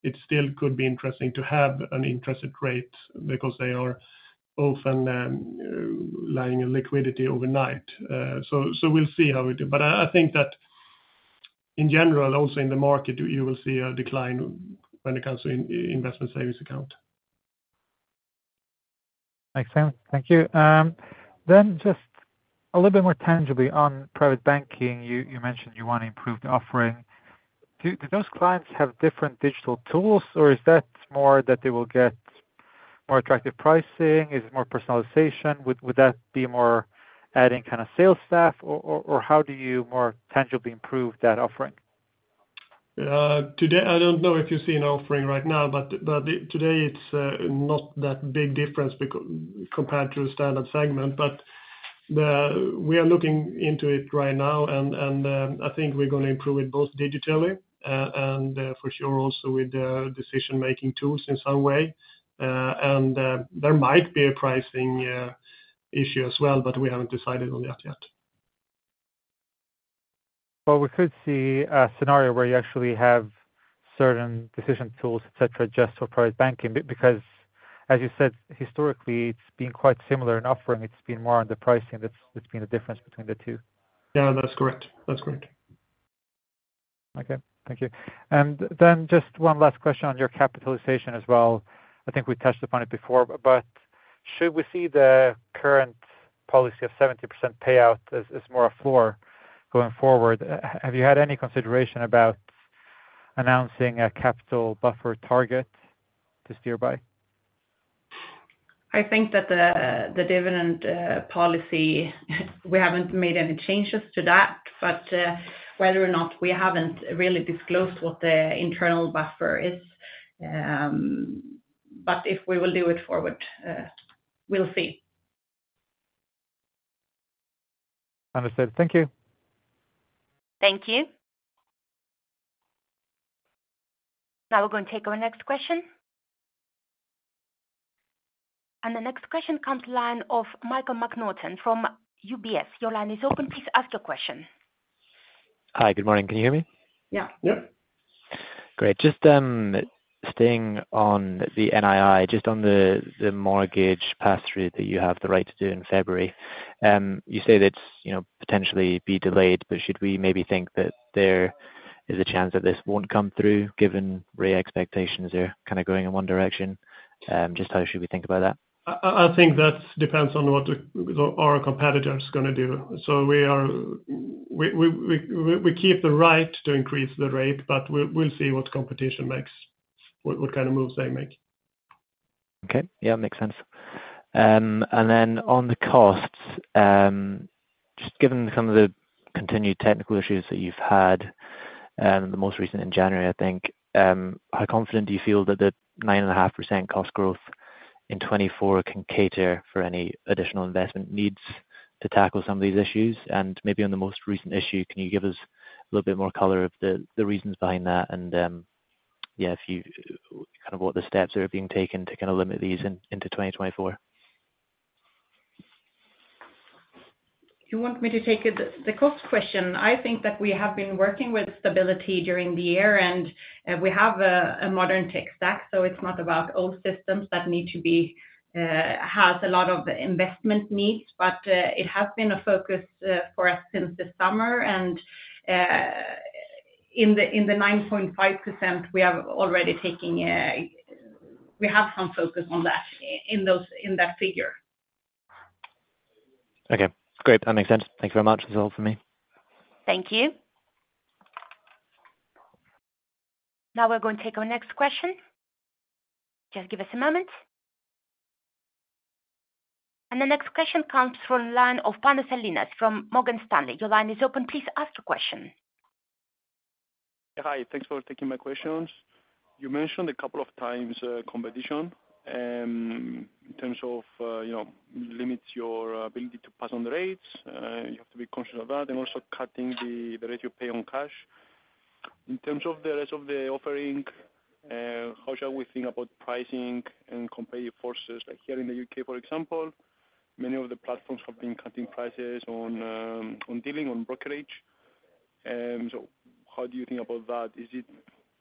[SPEAKER 2] it still could be interesting to have an interest rate because they are often lying in liquidity overnight. So we'll see how we do. But I think that in general, also in the market, you will see a decline when it comes to investment savings account.
[SPEAKER 8] Makes sense. Thank you. Then just a little bit more tangibly on Private Banking, you mentioned you want to improve the offering. Do those clients have different digital tools, or is that more that they will get more attractive pricing? Is it more personalization? Would that be more adding kind of sales staff, or how do you more tangibly improve that offering?
[SPEAKER 2] Today, I don't know if you see an offering right now, but today it's not that big difference compared to the Standard segment. But we are looking into it right now, and I think we're gonna improve it both digitally and for sure also with the decision-making tools in some way. And there might be a pricing issue as well, but we haven't decided on that yet.
[SPEAKER 8] Well, we could see a scenario where you actually have certain decision tools, et cetera, just for Private Banking, because as you said, historically, it's been quite similar in offering, it's been more on the pricing, it's been the difference between the two.
[SPEAKER 2] Yeah, that's correct. That's correct.
[SPEAKER 8] Okay, thank you. And then just one last question on your capitalization as well. I think we touched upon it before, but should we see the current policy of 70% payout as, as more a floor going forward? Have you had any consideration about announcing a capital buffer target to steer by?
[SPEAKER 3] I think that the dividend policy, we haven't made any changes to that, but whether or not, we haven't really disclosed what the internal buffer is. But if we will do it forward, we'll see.
[SPEAKER 8] Understood. Thank you.
[SPEAKER 1] Thank you. Now we're going to take our next question. The next question comes line of Michael McNaughton from UBS. Your line is open. Please ask your question.
[SPEAKER 9] Hi, good morning. Can you hear me?
[SPEAKER 3] Yeah.
[SPEAKER 2] Yeah.
[SPEAKER 9] Great. Just staying on the NII, just on the, the mortgage pass-through that you have the right to do in February. You say that's, you know, potentially be delayed, but should we maybe think that there is a chance that this won't come through, given rate expectations are kind of going in one direction? Just how should we think about that?
[SPEAKER 2] I think that depends on what our competitors are gonna do. So we keep the right to increase the rate, but we'll see what competition makes, what kind of moves they make.
[SPEAKER 9] Okay. Yeah, makes sense. And then on the costs, just given some of the continued technical issues that you've had, the most recent in January, I think, how confident do you feel that the 9.5% cost growth in 2024 can cater for any additional investment needs to tackle some of these issues? And maybe on the most recent issue, can you give us a little bit more color on the reasons behind that, and yeah, if you, kind of what the steps are being taken to kind of limit these into 2024.
[SPEAKER 3] You want me to take it? The cost question, I think that we have been working with stability during the year, and we have a modern tech stack, so it's not about old systems that need to be has a lot of investment needs. But it has been a focus for us since the summer, and in the 9.5%, we have already taking a... We have some focus on that, in that figure.
[SPEAKER 9] Okay, great. That makes sense. Thank you very much. That's all for me.
[SPEAKER 1] Thank you. Now we're going to take our next question. Just give us a moment. And the next question comes from line of Pablo Salinas from Morgan Stanley. Your line is open. Please ask your question.
[SPEAKER 10] ...Hi, thanks for taking my questions. You mentioned a couple of times, competition, in terms of, you know, limits your ability to pass on the rates. You have to be conscious of that, and also cutting the rate you pay on cash. In terms of the rest of the offering, how shall we think about pricing and competitive forces? Like here in the U.K., for example, many of the platforms have been cutting prices on dealing, on brokerage. And so how do you think about that? Is it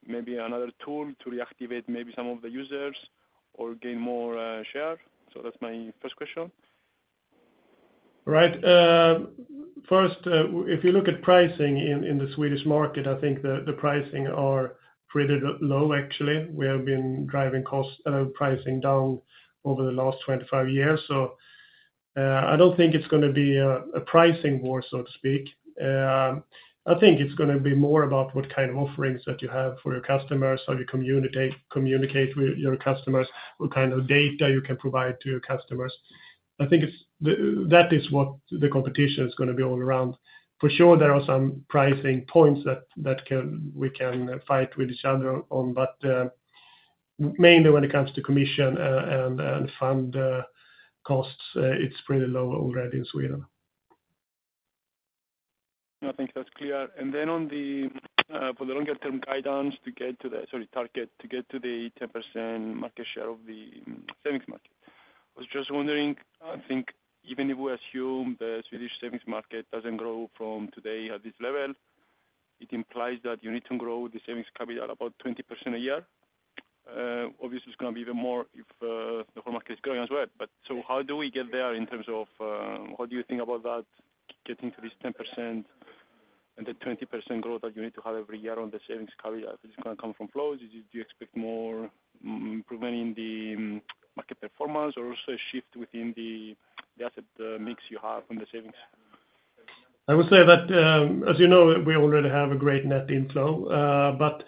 [SPEAKER 10] maybe another tool to reactivate maybe some of the users or gain more share? So that's my first question.
[SPEAKER 2] Right. First, if you look at pricing in, in the Swedish market, I think the, the pricing are pretty low, actually. We have been driving costs, pricing down over the last 25 years, so, I don't think it's gonna be a, a pricing war, so to speak. I think it's gonna be more about what kind of offerings that you have for your customers, how you communicate, communicate with your customers, what kind of data you can provide to your customers. I think that is what the competition is gonna be all around. For sure, there are some pricing points that, that can... we can fight with each other on, but, mainly when it comes to commission, and, and fund, costs, it's pretty low already in Sweden.
[SPEAKER 10] I think that's clear. And then on the, for the longer term guidance to get to the, sorry, target, to get to the 10% market share of the savings market. I was just wondering, I think even if we assume the Swedish savings market doesn't grow from today at this level, it implies that you need to grow the savings capital about 20% a year. Obviously, it's gonna be even more if the whole market is growing as well. But so how do we get there in terms of, what do you think about that, getting to this 10% and the 20% growth that you need to have every year on the savings capital? Is it gonna come from flows, do you expect more improving the market performance or also a shift within the asset mix you have on the savings?
[SPEAKER 2] I would say that, as you know, we already have a great net inflow. But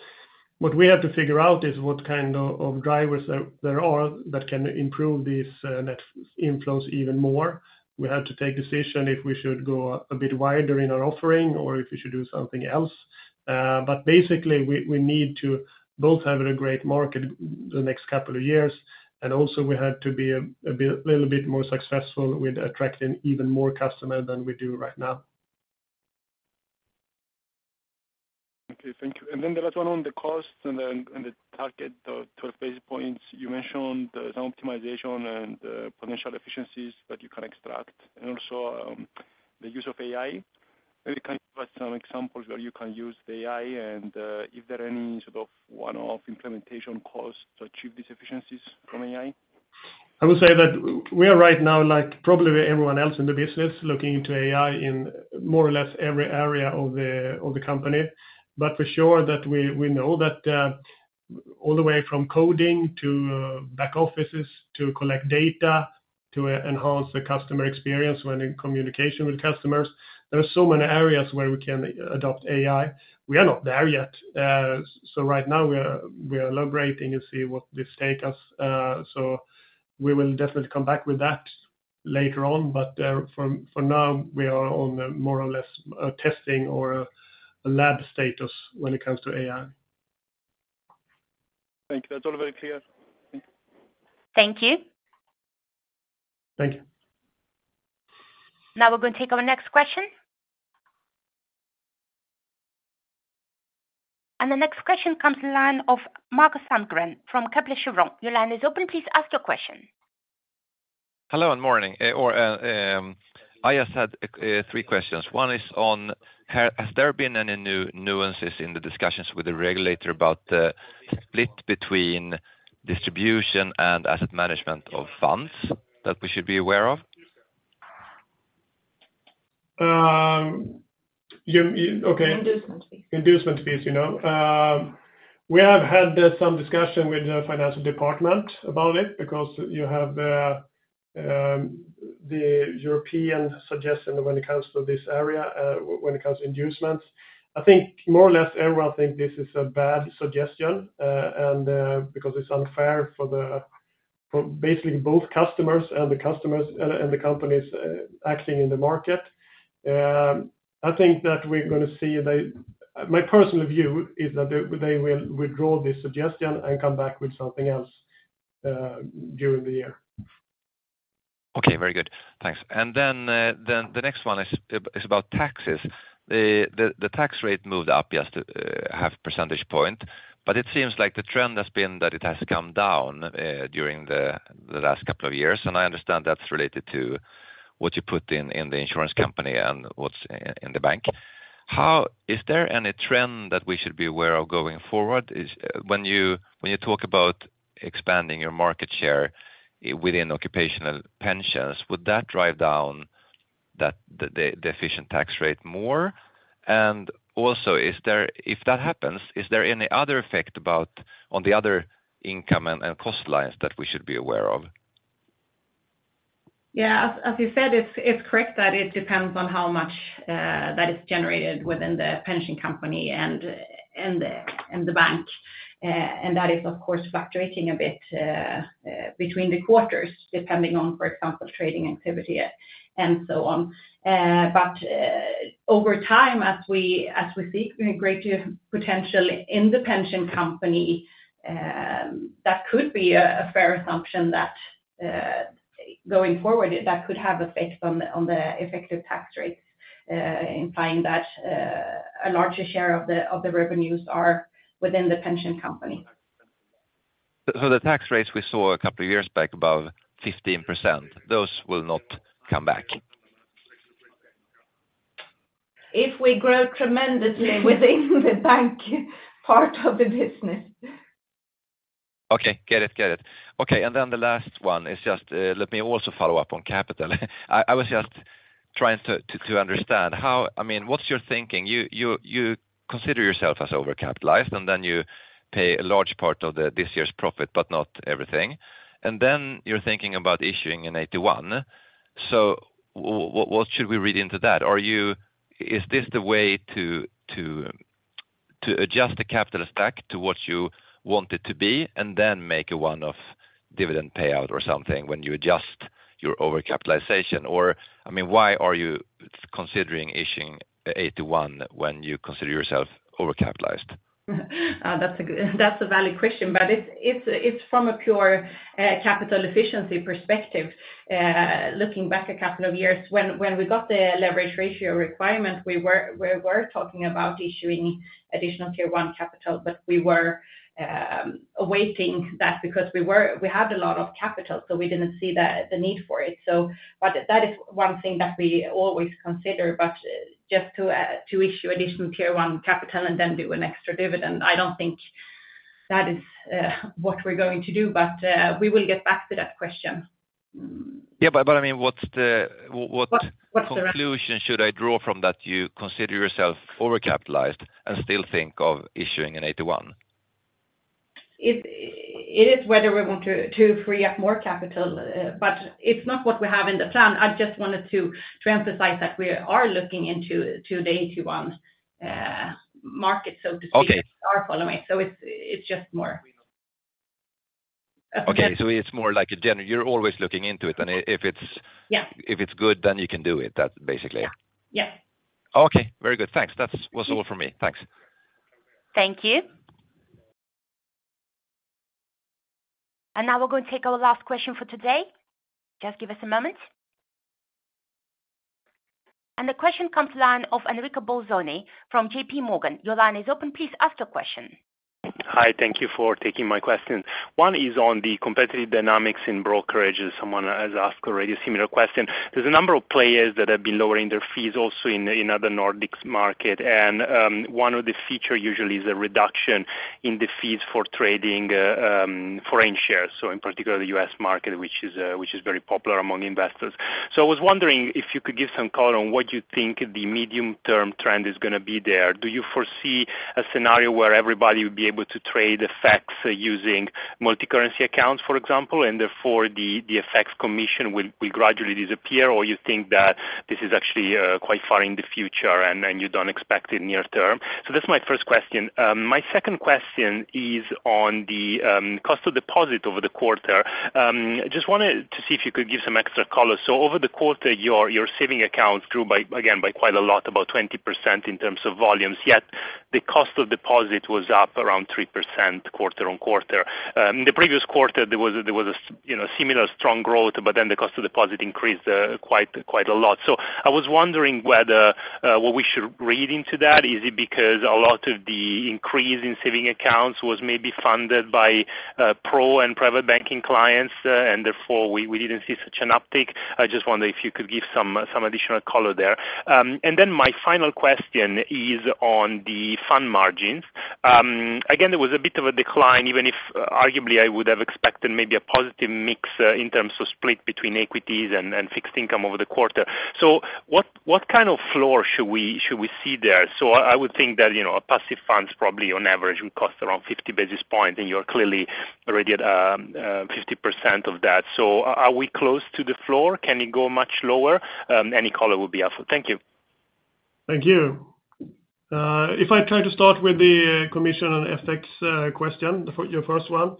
[SPEAKER 2] what we have to figure out is what kind of drivers there are that can improve these net inflows even more. We have to take decision if we should go a bit wider in our offering or if we should do something else. But basically, we need to both have a great market the next couple of years, and also we have to be a little bit more successful with attracting even more customer than we do right now.
[SPEAKER 10] Okay, thank you. And then the last one on the costs and then, and the target, the 12 basis points. You mentioned there's optimization and, potential efficiencies that you can extract, and also, the use of AI. Maybe you can give us some examples where you can use the AI, and, if there are any sort of one-off implementation costs to achieve these efficiencies from AI.
[SPEAKER 2] I would say that we are right now, like probably everyone else in the business, looking into AI in more or less every area of the, of the company. But for sure, that we, we know that, all the way from coding to back offices, to collect data, to enhance the customer experience when in communication with customers, there are so many areas where we can adopt AI. We are not there yet. So right now we are, we are elaborating and see what this take us. So we will definitely come back with that later on, but for now, we are on a more or less testing or a lab status when it comes to AI.
[SPEAKER 10] Thank you. That's all very clear.
[SPEAKER 1] Thank you.
[SPEAKER 10] Thank you.
[SPEAKER 1] Now we're going to take our next question. The next question comes from the line of Markus Sandgren from Kepler Cheuvreux. Your line is open. Please ask your question.
[SPEAKER 11] Hello, and morning. I just had three questions. One is on: has there been any new nuances in the discussions with the regulator about the split between distribution and asset management of funds that we should be aware of?
[SPEAKER 2] Okay.
[SPEAKER 3] Inducement fees.
[SPEAKER 2] Inducement fees, you know. We have had some discussion with the financial department about it, because you have the European suggestion when it comes to this area, when it comes to inducements. I think more or less everyone think this is a bad suggestion, and because it's unfair for basically both customers and the customers, and the companies acting in the market. I think that we're gonna see. My personal view is that they will withdraw this suggestion and come back with something else, during the year.
[SPEAKER 11] Okay, very good. Thanks. And then the next one is about taxes. The tax rate moved up just half percentage point, but it seems like the trend has been that it has come down during the last couple of years, and I understand that's related to what you put in the insurance company and what's in the bank. Is there any trend that we should be aware of going forward? When you talk about expanding your market share within occupational pensions, would that drive down the effective tax rate more? And also, if that happens, is there any other effect on the other income and cost lines that we should be aware of?...
[SPEAKER 3] Yeah, as you said, it's correct that it depends on how much that is generated within the pension company and the bank. And that is, of course, fluctuating a bit between the quarters, depending on, for example, trading activity and so on. But over time, as we see a great deal of potential in the pension company, that could be a fair assumption that, going forward, that could have effect on the effective tax rate, implying that a larger share of the revenues are within the pension company.
[SPEAKER 11] The tax rates we saw a couple of years back, about 15%, those will not come back?
[SPEAKER 3] If we grow tremendously within the bank part of the business.
[SPEAKER 11] Okay. Get it, get it. Okay, and then the last one is just, let me also follow up on capital. I was just trying to understand how - I mean, what's your thinking? You consider yourself as overcapitalized, and then you pay a large part of this year's profit, but not everything. And then you're thinking about issuing an AT1. So what should we read into that? Are you - Is this the way to adjust the capital stack to what you want it to be, and then make a one-off dividend payout or something when you adjust your overcapitalization? Or, I mean, why are you considering issuing an AT1 when you consider yourself overcapitalized?
[SPEAKER 3] That's a valid question, but it's from a pure capital efficiency perspective. Looking back a couple of years, when we got the leverage ratio requirement, we were talking about issuing Additional Tier 1 capital, but we were awaiting that because we had a lot of capital, so we didn't see the need for it. But that is one thing that we always consider, but just to issue Additional Tier 1 capital and then do an extra dividend, I don't think that is what we're going to do. But we will get back to that question.
[SPEAKER 11] Yeah, but I mean, what's the-
[SPEAKER 3] What's the-
[SPEAKER 11] What conclusion should I draw from that you consider yourself overcapitalized and still think of issuing an AT1?
[SPEAKER 3] It is whether we want to free up more capital, but it's not what we have in the plan. I just wanted to emphasize that we are looking into the AT1 market, so to speak.
[SPEAKER 11] Okay.
[SPEAKER 3] Our follow-up. So it's, it's just more-
[SPEAKER 11] Okay, so it's more like a general... You're always looking into it, and if it's-
[SPEAKER 3] Yeah.
[SPEAKER 11] If it's good, then you can do it. That, basically.
[SPEAKER 3] Yeah. Yeah.
[SPEAKER 11] Okay, very good. Thanks. That was all for me. Thanks.
[SPEAKER 1] Thank you. Now we're going to take our last question for today. Just give us a moment. The question comes from the line of Enrico Bolzoni from JPMorgan. Your line is open. Please ask the question.
[SPEAKER 12] Hi, thank you for taking my question. One is on the competitive dynamics in brokerages. Someone has asked already a similar question. There's a number of players that have been lowering their fees also in other Nordics market, and one of the features usually is a reduction in the fees for trading foreign shares, so in particular, the US market, which is very popular among investors. So I was wondering if you could give some color on what you think the medium-term trend is gonna be there. Do you foresee a scenario where everybody would be able to trade ETFs using multicurrency accounts, for example, and therefore, the ETFs commission will gradually disappear, or you think that this is actually quite far in the future, and you don't expect it near term? So that's my first question. My second question is on the cost of deposit over the quarter. Just wanted to see if you could give some extra color. So over the quarter, your saving accounts grew by, again, by quite a lot, about 20% in terms of volumes, yet the cost of deposit was up around 3% quarter-over-quarter. In the previous quarter, there was, you know, similar strong growth, but then the cost of deposit increased quite a lot. So I was wondering whether what we should read into that, is it because a lot of the increase in saving accounts was maybe funded by Pro and Private Banking clients, and therefore, we didn't see such an uptick? I just wonder if you could give some additional color there. And then my final question is on the fund margins. Again, there was a bit of a decline, even if arguably, I would have expected maybe a positive mix, in terms of split between equities and fixed income over the quarter. So what kind of floor should we see there? So I would think that, you know, a passive funds probably on average, would cost around 50 basis points, and you're clearly already at 50% of that. So are we close to the floor? Can it go much lower? Any color would be helpful. Thank you.
[SPEAKER 2] Thank you. If I try to start with the commission on FX question, your first one.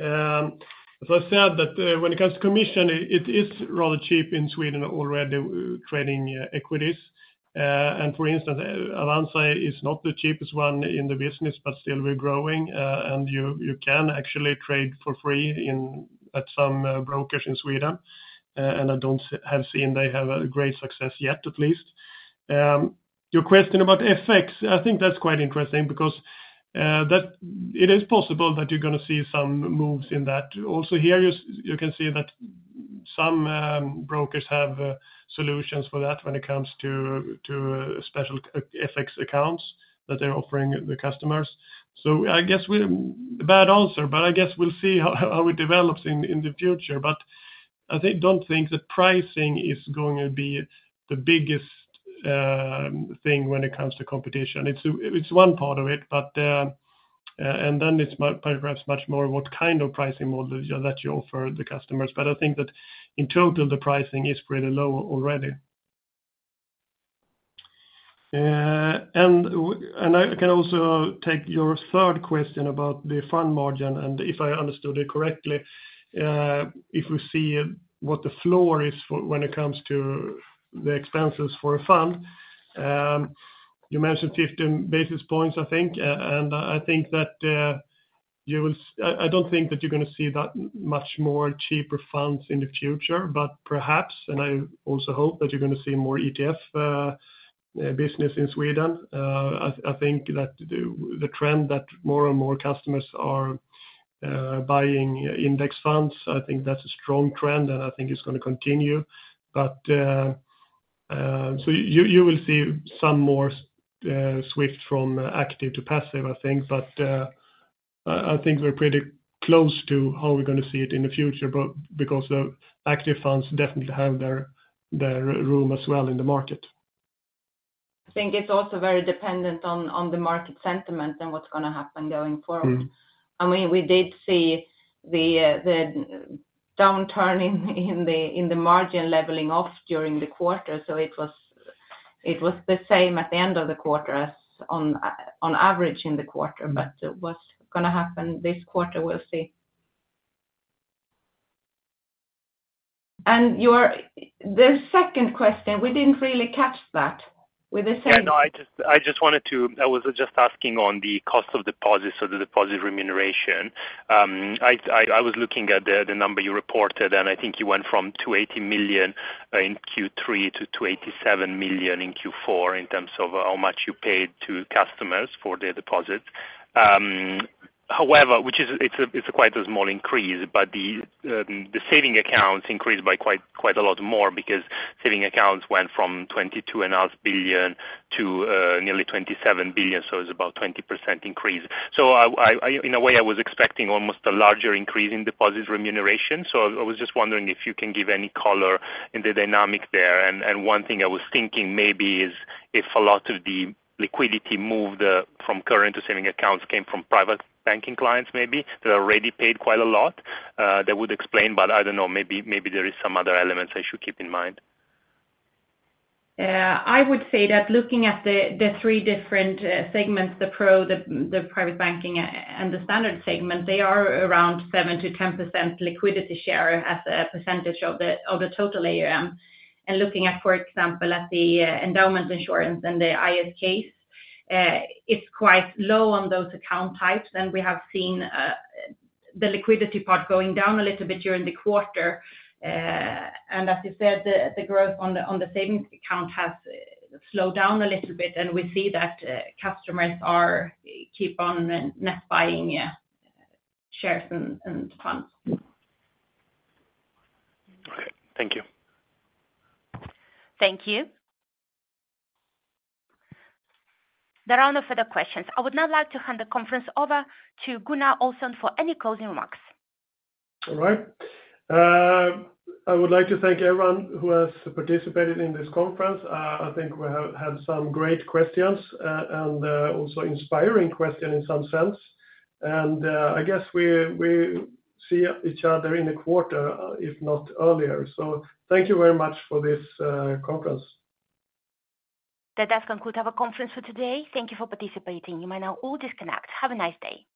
[SPEAKER 2] As I said, when it comes to commission, it is rather cheap in Sweden already trading equities. And for instance, Avanza is not the cheapest one in the business, but still we're growing, and you can actually trade for free at some brokers in Sweden, and I haven't seen they have a great success yet, at least. Your question about FX, I think that's quite interesting because that it is possible that you're gonna see some moves in that. Also here, you can see that some brokers have solutions for that when it comes to special FX accounts that they're offering the customers. So I guess we, bad answer, but I guess we'll see how it develops in the future. But I think, don't think the pricing is going to be the biggest thing when it comes to competition. It's a, it's one part of it, but and then it's much, perhaps much more what kind of pricing model that you offer the customers. But I think that in total, the pricing is pretty low already. And I can also take your third question about the fund margin, and if I understood it correctly, if we see what the floor is for when it comes to the expenses for a fund, you mentioned 15 basis points, I think. And I think that you will—I don't think that you're gonna see that much more cheaper funds in the future, but perhaps, and I also hope that you're gonna see more ETF business in Sweden. I think that the trend that more and more customers are buying index funds, I think that's a strong trend, and I think it's gonna continue. But so you will see some more shift from active to passive, I think. But I think we're pretty close to how we're gonna see it in the future, but because the active funds definitely have their room as well in the market.
[SPEAKER 3] I think it's also very dependent on the market sentiment and what's gonna happen going forward.
[SPEAKER 2] Mm.
[SPEAKER 3] I mean, we did see the downturn in the margin leveling off during the quarter, so it was the same at the end of the quarter as on average in the quarter. But what's gonna happen this quarter, we'll see. And your... The second question, we didn't really catch that. We the same-
[SPEAKER 12] Yeah, no, I just wanted to... I was just asking on the cost of deposits or the deposit remuneration. I was looking at the number you reported, and I think you went from 280 million in Q3 to 287 million in Q4, in terms of how much you paid to customers for their deposits. However, which is, it's quite a small increase, but the savings accounts increased by quite a lot more because savings accounts went from 22.5 billion to nearly 27 billion, so it's about 20% increase. So in a way, I was expecting almost a larger increase in deposit remuneration. So I was just wondering if you can give any color on the dynamics there. And one thing I was thinking maybe is if a lot of the liquidity moved from current to savings accounts came from Private Banking clients, maybe, that are already paid quite a lot, that would explain. But I don't know, maybe there is some other elements I should keep in mind.
[SPEAKER 3] I would say that looking at the three different segments, the Pro, the Private Banking, and the Standard segment, they are around 7%-10% liquidity share as a percentage of the total AUM. And looking at, for example, the endowment insurance and the ISK, it's quite low on those account types, and we have seen the liquidity part going down a little bit during the quarter. And as you said, the growth on the savings account has slowed down a little bit, and we see that customers keep on net buying shares and funds.
[SPEAKER 12] Okay. Thank you.
[SPEAKER 1] Thank you. There are no further questions. I would now like to hand the conference over to Gunnar Olsson for any closing remarks.
[SPEAKER 2] All right. I would like to thank everyone who has participated in this conference. I think we have had some great questions, and also inspiring questions in some sense. And, I guess we see each other in a quarter, if not earlier. So thank you very much for this conference.
[SPEAKER 1] That does conclude our conference for today. Thank you for participating. You may now all disconnect. Have a nice day.